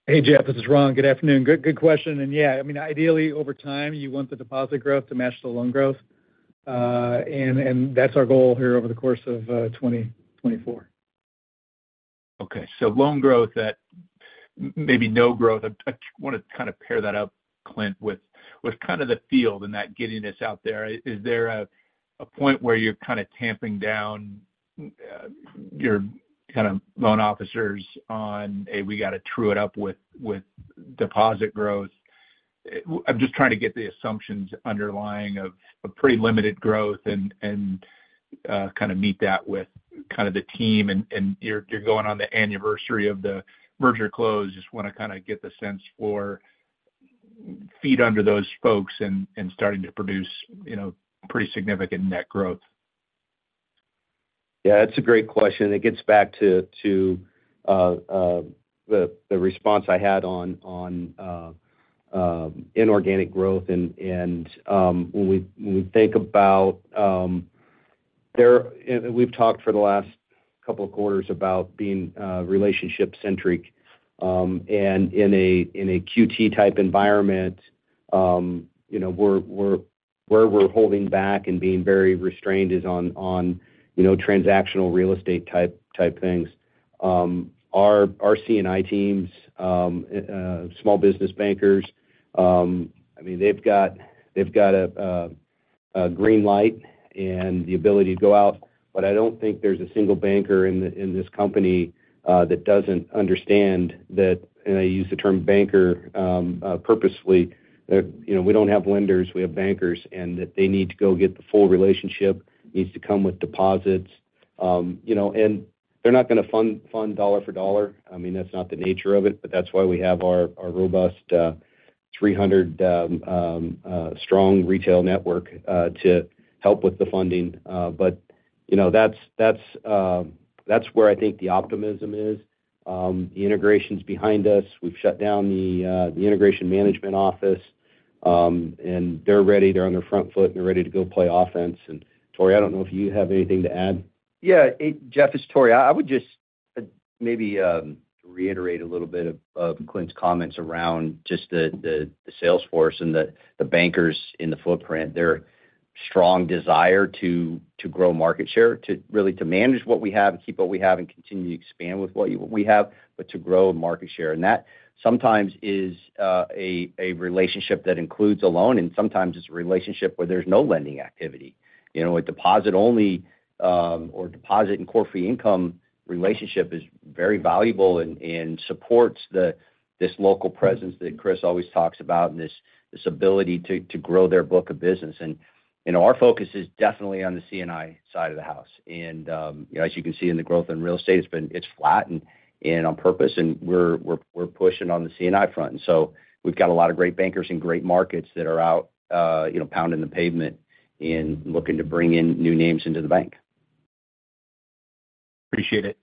Hey, Jeff, this is Ron. Good afternoon. Good, good question. And yeah, I mean, ideally, over time, you want the deposit growth to match the loan growth. And that's our goal here over the course of 2024. Okay, so loan growth at maybe no growth. I want to kind of pair that up, Clint, with kind of the feel and that giddiness out there. Is there a point where you're kind of tamping down your kind of loan officers on a, we got to true it up with deposit growth? I'm just trying to get the assumptions underlying of a pretty limited growth and kind of meet that with kind of the team, and you're going on the anniversary of the merger close. Just want to kind of get the sense for feet under those folks and starting to produce, you know, pretty significant net growth. Yeah, it's a great question, and it gets back to the response I had on inorganic growth. And when we think about. There, we've talked for the last couple of quarters about being relationship centric. In a QT-type environment, you know, we're where we're holding back and being very restrained is on, you know, transactional real estate type things. Our C&I teams, small business bankers, I mean, they've got a green light and the ability to go out, but I don't think there's a single banker in this company that doesn't understand that, and I use the term banker purposefully, that, you know, we don't have lenders, we have bankers, and that they need to go get the full relationship, needs to come with deposits. You know, and they're not gonna fund dollar for dollar. I mean, that's not the nature of it, but that's why we have our robust 300-strong retail network to help with the funding. But, you know, that's where I think the optimism is. The integration's behind us. We've shut down the integration management office, and they're ready. They're on their front foot, and they're ready to go play offense. And, Tory, I don't know if you have anything to add. Yeah, Jeff, it's Tory. I would just maybe reiterate a little bit of Clint's comments around just the sales force and the bankers in the footprint. Their strong desire to grow market share, to really manage what we have and keep what we have and continue to expand with what we have, but to grow market share. And that sometimes is a relationship that includes a loan, and sometimes it's a relationship where there's no lending activity. You know, a deposit-only or deposit and core fee income relationship is very valuable and supports this local presence that Chris always talks about and this ability to grow their book of business. And, you know, our focus is definitely on the C&I side of the house. As you can see in the growth in real estate, it's been flattened and on purpose, and we're pushing on the C&I front. So we've got a lot of great bankers and great markets that are out, you know, pounding the pavement and looking to bring in new names into the bank. Appreciate it.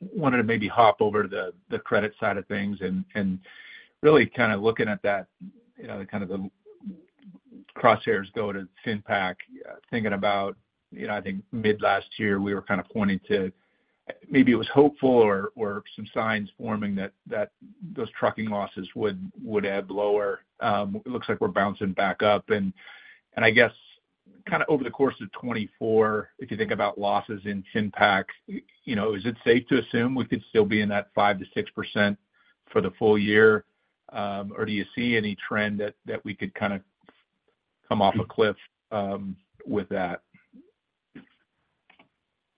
Wanted to maybe hop over to the credit side of things and really kind of looking at that, you know, kind of the crosshairs go to FinPac, thinking about, you know, I think mid last year, we were kind of pointing to, maybe it was hopeful or some signs forming that those trucking losses would ebb lower. It looks like we're bouncing back up. I guess kind of over the course of 2024, if you think about losses in FinPac, you know, is it safe to assume we could still be in that 5%-6% for the full year? Or do you see any trend that we could kind of come off a cliff with that?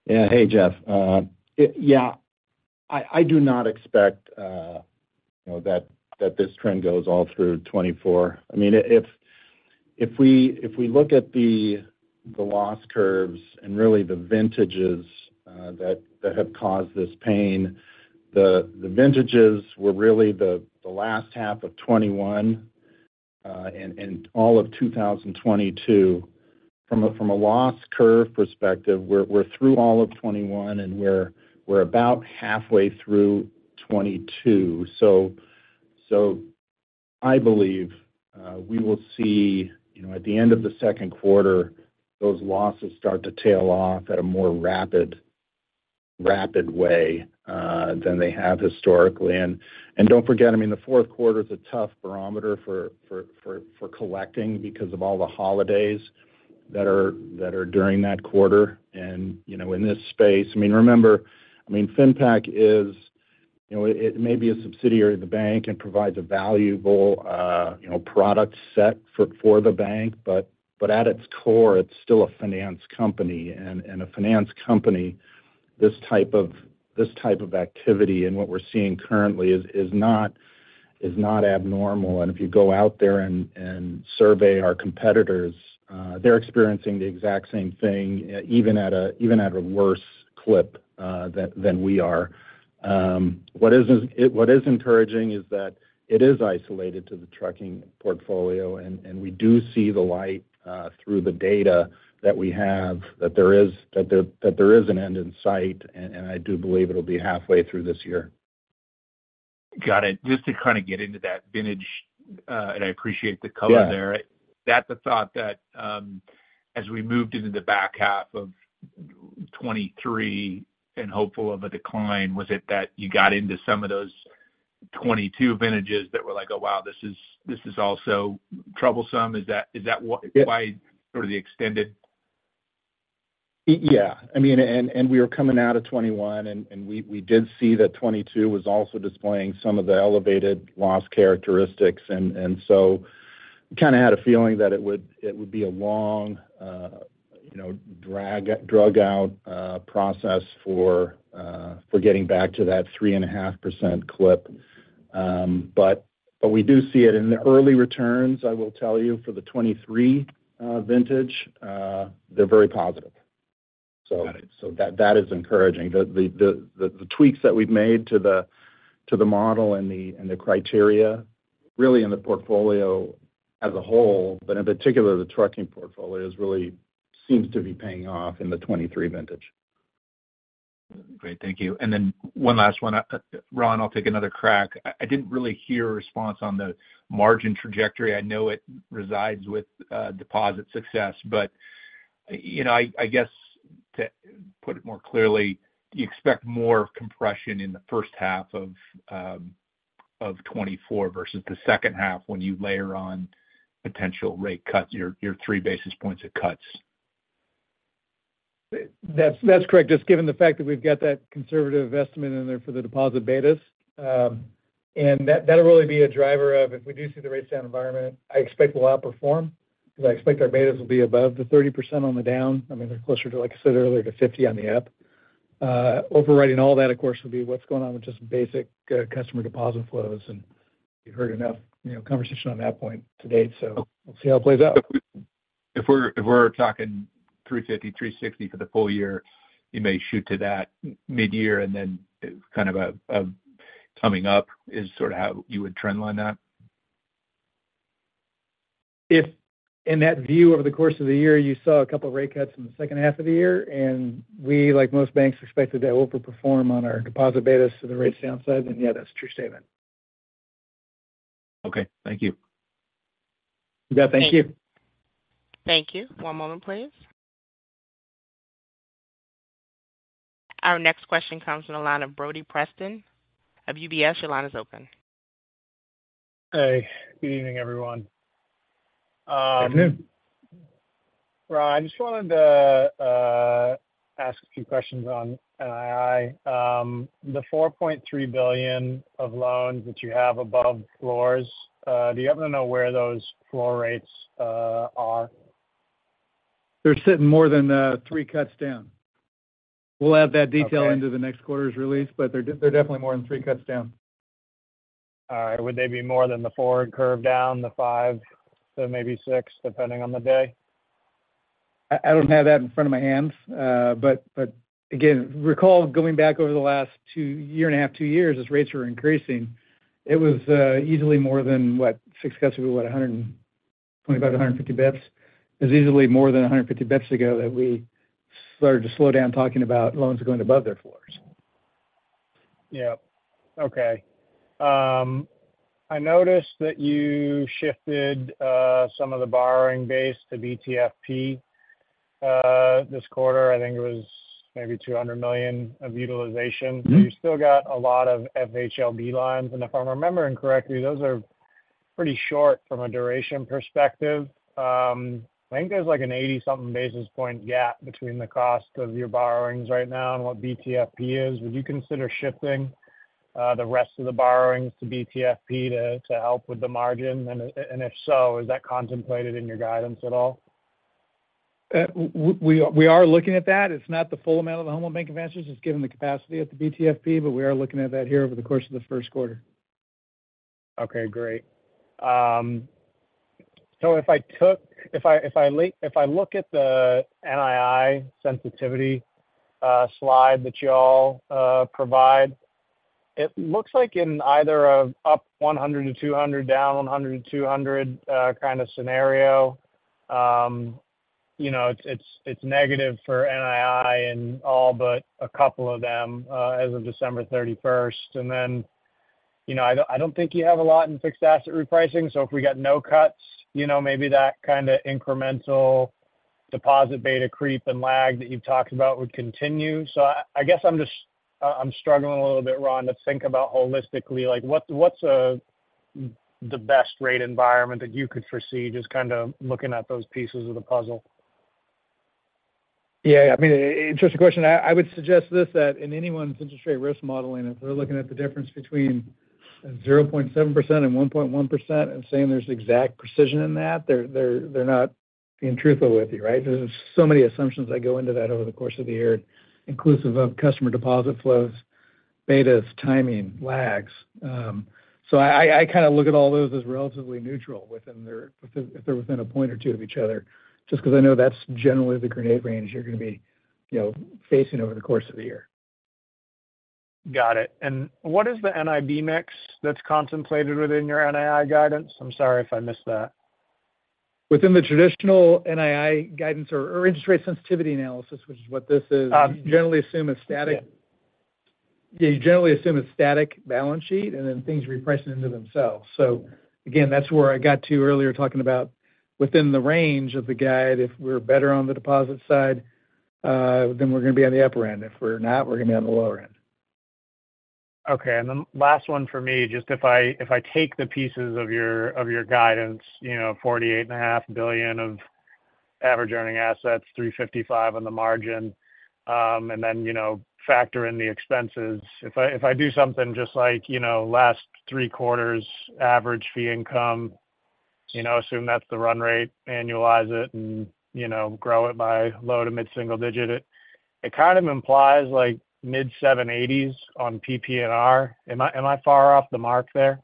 Yeah. Hey, Jeff. Yeah, I do not expect, you know, that this trend goes all through 2024. I mean, if we look at the loss curves and really the vintages that have caused this pain, the vintages were really the last half of 2021 and all of 2022. From a loss curve perspective, we're through all of 2021, and we're about halfway through 2022. So I believe we will see, you know, at the end of the second quarter, those losses start to tail off at a more rapid way than they have historically. And don't forget, I mean, the fourth quarter is a tough barometer for collecting because of all the holidays that are during that quarter. You know, in this space, I mean, remember, I mean, FinPac is, you know, it may be a subsidiary of the bank and provides a valuable, you know, product set for the bank. But at its core, it's still a finance company, and a finance company, this type of activity and what we're seeing currently is not abnormal. And if you go out there and survey our competitors, they're experiencing the exact same thing, even at a worse clip than we are. What is encouraging is that it is isolated to the trucking portfolio, and we do see the light through the data that we have, that there is an end in sight, and I do believe it'll be halfway through this year. Got it. Just to kind of get into that vintage, and I appreciate the color there. That's the thought that, as we moved into the back half of 2023 and hopeful of a decline, was it that you got into some of those 2022 vintages that were like, oh, wow, this is, this is also troublesome? Is that, is that what. Why sort of the extended? Yeah. I mean, we are coming out of 2021, and we did see that 2022 was also displaying some of the elevated loss characteristics, and so we kind of had a feeling that it would be a long, you know, dragged-out process for getting back to that 3.5% clip. But we do see it in the early returns, I will tell you, for the 2023 vintage; they're very positive. Got it. So that is encouraging. The tweaks that we've made to the model and the criteria, really in the portfolio as a whole, but in particular, the trucking portfolio, is really seems to be paying off in the 2023 vintage. Great. Thank you. And then one last one. Ron, I'll take another crack. I didn't really hear a response on the margin trajectory. I know it resides with deposit success, but, you know, I guess to put it more clearly, do you expect more compression in the first half of 2024 versus the second half when you layer on potential rate cuts, your three basis points of cuts? That's, that's correct. Just given the fact that we've got that conservative estimate in there for the deposit betas. And that'll really be a driver of if we do see the rate down environment. I expect we'll outperform because I expect our betas will be above the 30% on the down. I mean, they're closer to, like I said earlier, to 50 on the up. Overriding all that, of course, will be what's going on with just basic customer deposit flows, and you've heard enough, you know, conversation on that point to date, so we'll see how it plays out. If we're talking 3.50-3.60 for the full year, you may shoot to that mid-year, and then kind of a coming up is sort of how you would trendline that? If in that view, over the course of the year, you saw a couple of rate cuts in the second half of the year, and we, like most banks, expected that we'll perform on our deposit betas to the rate downside, then, yeah, that's a true statement. Okay, thank you. You bet. Thank you. Thank you. One moment, please. Our next question comes from the line of Brodie Preston of UBS. Your line is open. Hey, good evening, everyone. Afternoon. Ron, I just wanted to ask a few questions on NII. The $4.3 billion of loans that you have above floors, do you happen to know where those floor rates are? They're sitting more than three cuts down. We'll add that detail. Okay. Into the next quarter's release, but they're, they're definitely more than three cuts down. All right. Would they be more than the four curve down, the five, so maybe six, depending on the day? I don't have that in front of me. But again, recall going back over the last two and a half years, two years, as rates were increasing, it was easily more than, what, six cuts ago? 125, 150 bps. It was easily more than 150 bps ago that we started to slow down talking about loans going above their floors. Yeah. Okay. I noticed that you shifted some of the borrowing base to BTFP this quarter. I think it was maybe $200 million of utilization. So you still got a lot of FHLB lines, and if I'm remembering correctly, those are pretty short from a duration perspective. I think there's like an 80-something basis point gap between the cost of your borrowings right now and what BTFP is. Would you consider shifting the rest of the borrowings to BTFP to help with the margin? And if so, is that contemplated in your guidance at all? We are looking at that. It's not the full amount of the Federal Home Loan Bank advances. It's given the capacity at the BTFP, but we are looking at that here over the course of the first quarter. Okay, great. So if I look at the NII sensitivity slide that y'all provide, it looks like in either an up 100-200, down 100-200 kind of scenario, you know, it's negative for NII and all but a couple of them as of December 31. Then, you know, I don't think you have a lot in fixed asset repricing. So if we get no cuts, you know, maybe that kind of incremental deposit beta creep and lag that you've talked about would continue. So I guess I'm just struggling a little bit, Ron, to think about holistically, like, what's the best rate environment that you could foresee, just kind of looking at those pieces of the puzzle? Yeah, I mean, interesting question. I would suggest this, that in anyone's interest rate risk modeling, if they're looking at the difference between 0.7% and 1.1% and saying there's exact precision in that, they're not being truthful with you, right? There's so many assumptions that go into that over the course of the year, inclusive of customer deposit flows, betas, timing, lags. So I kind of look at all those as relatively neutral within their, if they're within a point or two of each other, just because I know that's generally the grenade range you're going to be, you know, facing over the course of the year. Got it. What is the NIB mix that's contemplated within your NII guidance? I'm sorry if I missed that. Within the traditional NII guidance or interest rate sensitivity analysis, which is what this is. We generally assume a static. Yeah, you generally assume a static balance sheet, and then things reprice into themselves. So again, that's where I got to earlier, talking about within the range of the guide, if we're better on the deposit side, then we're going to be on the upper end. If we're not, we're going to be on the lower end. Okay, and the last one for me, just if I, if I take the pieces of your, of your guidance, you know, $48.5 billion of average earning assets, 355 on the margin, and then, you know, factor in the expenses. If I, if I do something just like, you know, last three quarters average fee income, you know, assume that's the run rate, annualize it and, you know, grow it by low-to mid-single-digit, it kind of implies like mid-780s on PPNR. Am I, am I far off the mark there?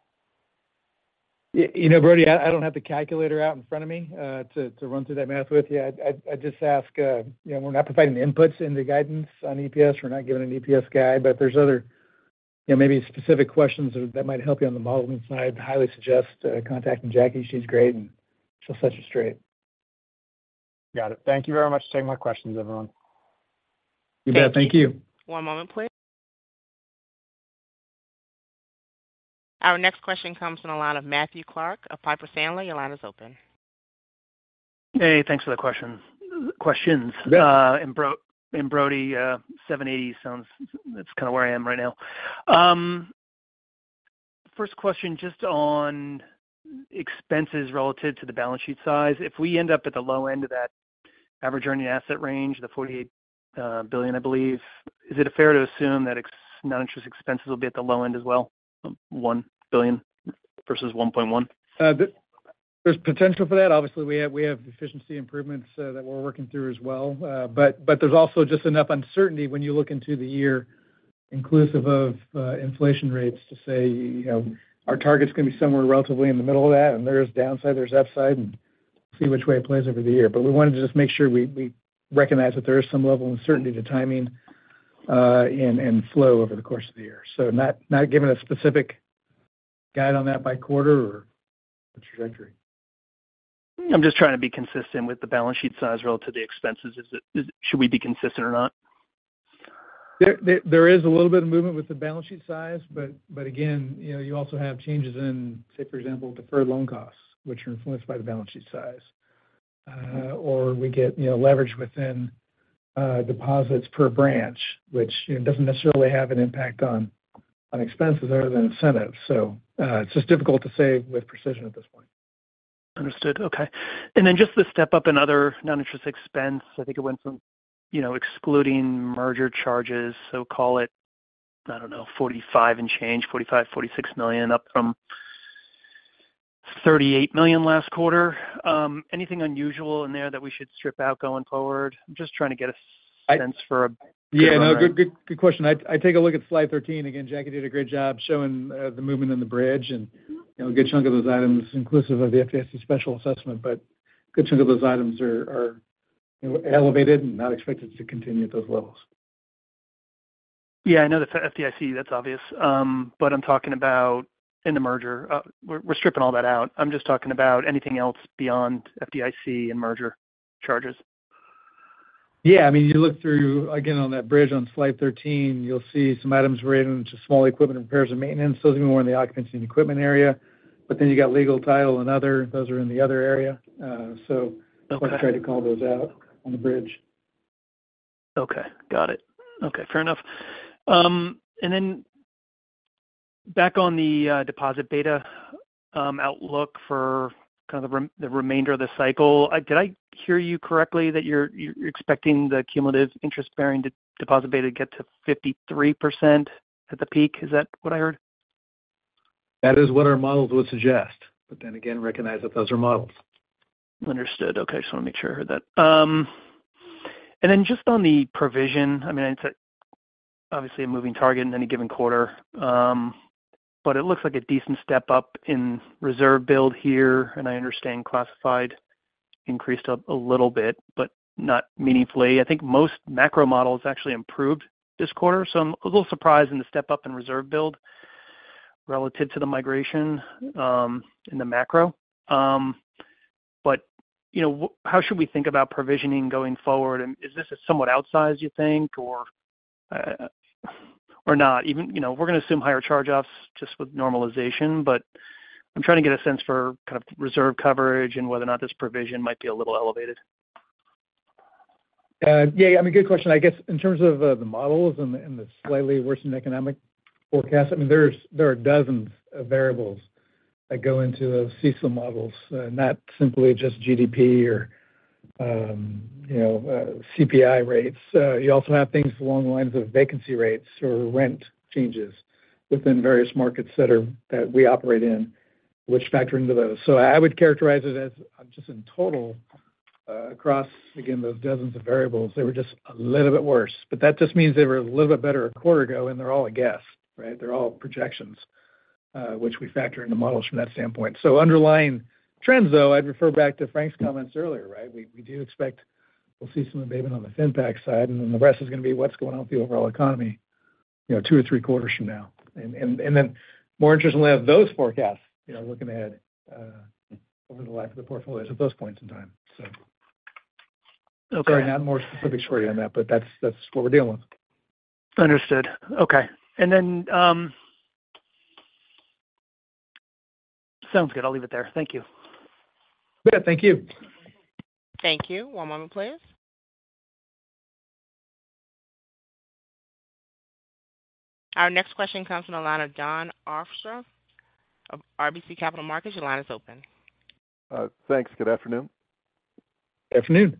You know, Brodie, I don't have the calculator out in front of me to run through that math with you. I'd just ask, you know, we're not providing the inputs into guidance on EPS. We're not giving an EPS guide, but there's other, you know, maybe specific questions that might help you on the modeling side. Highly suggest contacting Jacque. She's great and she'll set you straight. Got it. Thank you very much for taking my questions, everyone. You bet. Thank you. One moment, please. Our next question comes from the line of Matthew Clark of Piper Sandler. Your line is open. Hey, thanks for the question, questions. And Brodie, $7.80 sounds, that's kind of where I am right now. First question, just on expenses relative to the balance sheet size. If we end up at the low end of that average earning asset range, the $48 billion, I believe, is it fair to assume that noninterest expenses will be at the low end as well, $1 billion versus $1.1 billion? There's potential for that. Obviously, we have efficiency improvements that we're working through as well. But there's also just enough uncertainty when you look into the year inclusive of inflation rates to say, you know, our target's gonna be somewhere relatively in the middle of that, and there is downside, there's upside, and see which way it plays over the year. But we wanted to just make sure we recognize that there is some level of uncertainty, the timing, and flow over the course of the year. So not giving a specific guide on that by quarter or the trajectory. I'm just trying to be consistent with the balance sheet size relative to the expenses. Should we be consistent or not? There is a little bit of movement with the balance sheet size, but again, you know, you also have changes in, say, for example, deferred loan costs, which are influenced by the balance sheet size. Or we get, you know, leverage within deposits per branch, which, you know, doesn't necessarily have an impact on expenses other than incentives. So, it's just difficult to say with precision at this point. Understood. Okay. And then just to step up another non-interest expense, I think it went from, you know, excluding merger charges. So call it, I don't know, $45 and change, $45, $46 million, up from $38 million last quarter. Anything unusual in there that we should strip out going forward? I'm just trying to get a sense for. Yeah, no, good, good, good question. I take a look at slide 13. Again, Jacque did a great job showing the movement in the bridge and, you know, a good chunk of those items inclusive of the FDIC special assessment, but a good chunk of those items are, you know, elevated and not expected to continue at those levels. Yeah, I know the FDIC, that's obvious. But I'm talking about in the merger. We're stripping all that out. I'm just talking about anything else beyond FDIC and merger charges. Yeah, I mean, you look through, again, on that bridge on slide 13, you'll see some items written, which are small equipment, repairs, and maintenance. Those are more in the occupancy and equipment area, but then you got legal title and other; those are in the other area. So. Okay. I tried to call those out on the bridge. Okay, got it. Okay, fair enough. And then back on the deposit beta outlook for kind of the remainder of the cycle. Did I hear you correctly, that you're expecting the cumulative interest-bearing deposit beta to get to 53% at the peak? Is that what I heard? That is what our models would suggest, but then again, recognize that those are models. Understood. Okay, just want to make sure I heard that. And then just on the provision, I mean, it's obviously a moving target in any given quarter, but it looks like a decent step up in reserve build here, and I understand classified increased a little bit, but not meaningfully. I think most macro models actually improved this quarter, so I'm a little surprised in the step up in reserve build relative to the migration in the macro. But, you know, how should we think about provisioning going forward? And is this a somewhat outsized, you think, or, or not? Even, you know, we're going to assume higher charge-offs just with normalization, but I'm trying to get a sense for kind of reserve coverage and whether or not this provision might be a little elevated. Yeah, I mean, good question. I guess in terms of the models and the slightly worsened economic forecast, I mean, there's, there are dozens of variables that go into those CECL models, and not simply just GDP or, you know, CPI rates. You also have things along the lines of vacancy rates or rent changes within various markets that we operate in, which factor into those. So I would characterize it as just in total, across, again, those dozens of variables, they were just a little bit worse. But that just means they were a little bit better a quarter ago, and they're all a guess, right? They're all projections, which we factor in the models from that standpoint. So underlying trends, though, I'd refer back to Frank's comments earlier, right? We, we do expect we'll see some abatement on the FinPac side, and then the rest is going to be what's going on with the overall economy, you know, two or three quarters from now. And then more interestingly, have those forecasts, you know, looking ahead, over the life of the portfolios at those points in time. So. Okay. Sorry, I have more specifics for you on that, but that's, that's what we're dealing with. Understood. Okay. Sounds good. I'll leave it there. Thank you. Yeah, thank you. Thank you. One moment, please. Our next question comes from the line of Jon Arfstrom of RBC Capital Markets. Your line is open. Thanks. Good afternoon. Afternoon.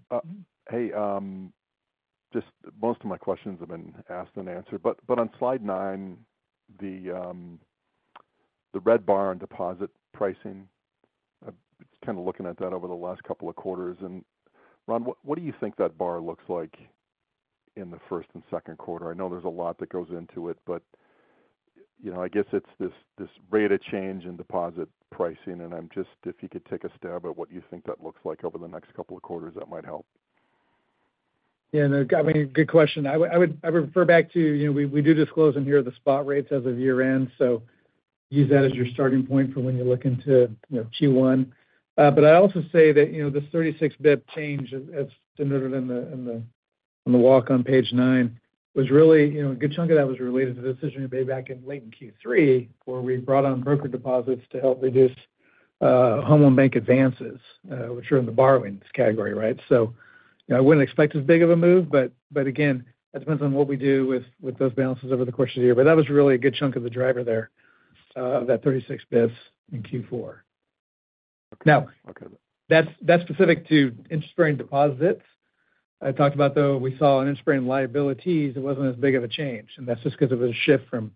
Hey, just most of my questions have been asked and answered. But on slide 9, the red bar on deposit pricing, I'm kind of looking at that over the last couple of quarters. And Ron, what do you think that bar looks like in the first and second quarter? I know there's a lot that goes into it, but you know, I guess it's this rate of change in deposit pricing, and I'm just, if you could take a stab at what you think that looks like over the next couple of quarters, that might help. Yeah, no, I mean, good question. I would, I refer back to, you know, we do disclose in here the spot rates as of year-end, so use that as your starting point for when you're looking to, you know, Q1. But I also say that, you know, this 36 bp change, as denoted in the walk on page 9, was really, you know, a good chunk of that was related to the decision we made back in late Q3, where we brought on broker deposits to help reduce Home Loan Bank advances, which are in the borrowings category, right? So, you know, I wouldn't expect as big of a move, but again, that depends on what we do with those balances over the course of the year. That was really a good chunk of the driver there, of that 36 basis points in Q4. Now, that's, that's specific to interest-bearing deposits. I talked about, though, we saw in interest-bearing liabilities, it wasn't as big of a change, and that's just because it was a shift from,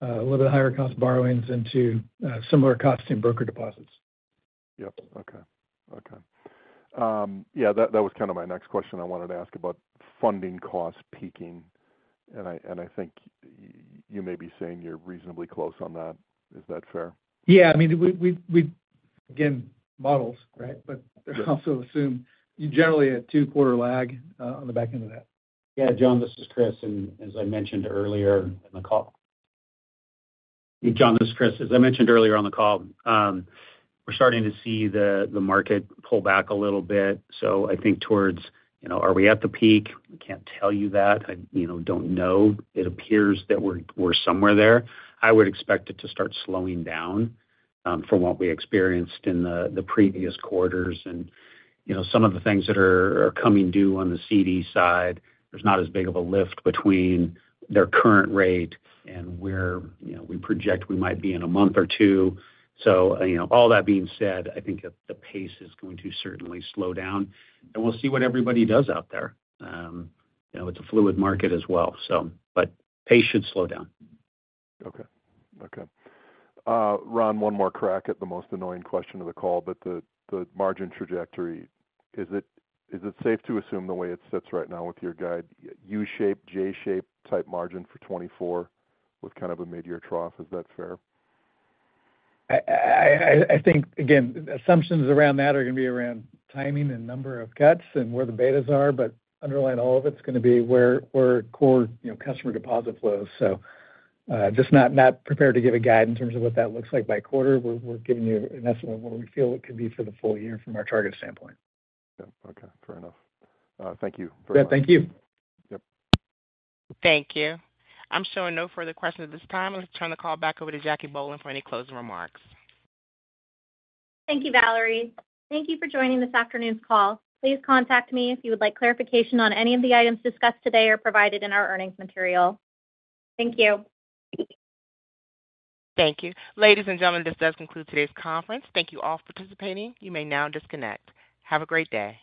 a little bit higher cost borrowings into, similar costing broker deposits. Yep. Okay. Okay. Yeah, that, that was kind of my next question. I wanted to ask about funding costs peaking, and I think you may be saying you're reasonably close on that. Is that fair? Yeah. I mean, we again, models, right? Yes. But I also assume you generally a two-quarter lag on the back end of that. Jon, this is Chris. As I mentioned earlier on the call, we're starting to see the market pull back a little bit, so I think towards, you know, are we at the peak? I can't tell you that. I, you know, don't know. It appears that we're somewhere there. I would expect it to start slowing down from what we experienced in the previous quarters. And you know, some of the things that are coming due on the CD side, there's not as big of a lift between their current rate and where you know, we project we might be in a month or two. So you know, all that being said, I think that the pace is going to certainly slow down, and we'll see what everybody does out there. You know, it's a fluid market as well, so, but pace should slow down. Okay. Okay. Ron, one more crack at the most annoying question of the call, but the margin trajectory, is it safe to assume the way it sits right now with your guide, U-shaped, J-shaped type margin for 2024 with kind of a mid-year trough? Is that fair? I think, again, assumptions around that are going to be around timing and number of cuts and where the betas are, but underlying all of it's going to be where core, you know, customer deposit flows. So, just not prepared to give a guide in terms of what that looks like by quarter. We're giving you an estimate of what we feel it could be for the full year from our target standpoint. Yeah, okay, fair enough. Thank you very much. Yeah, thank you. Yep. Thank you. I'm showing no further questions at this time. Let's turn the call back over to Jacque Bohlen for any closing remarks. Thank you, Valerie. Thank you for joining this afternoon's call. Please contact me if you would like clarification on any of the items discussed today or provided in our earnings material. Thank you. Thank you. Ladies and gentlemen, this does conclude today's conference. Thank you all for participating. You may now disconnect. Have a great day.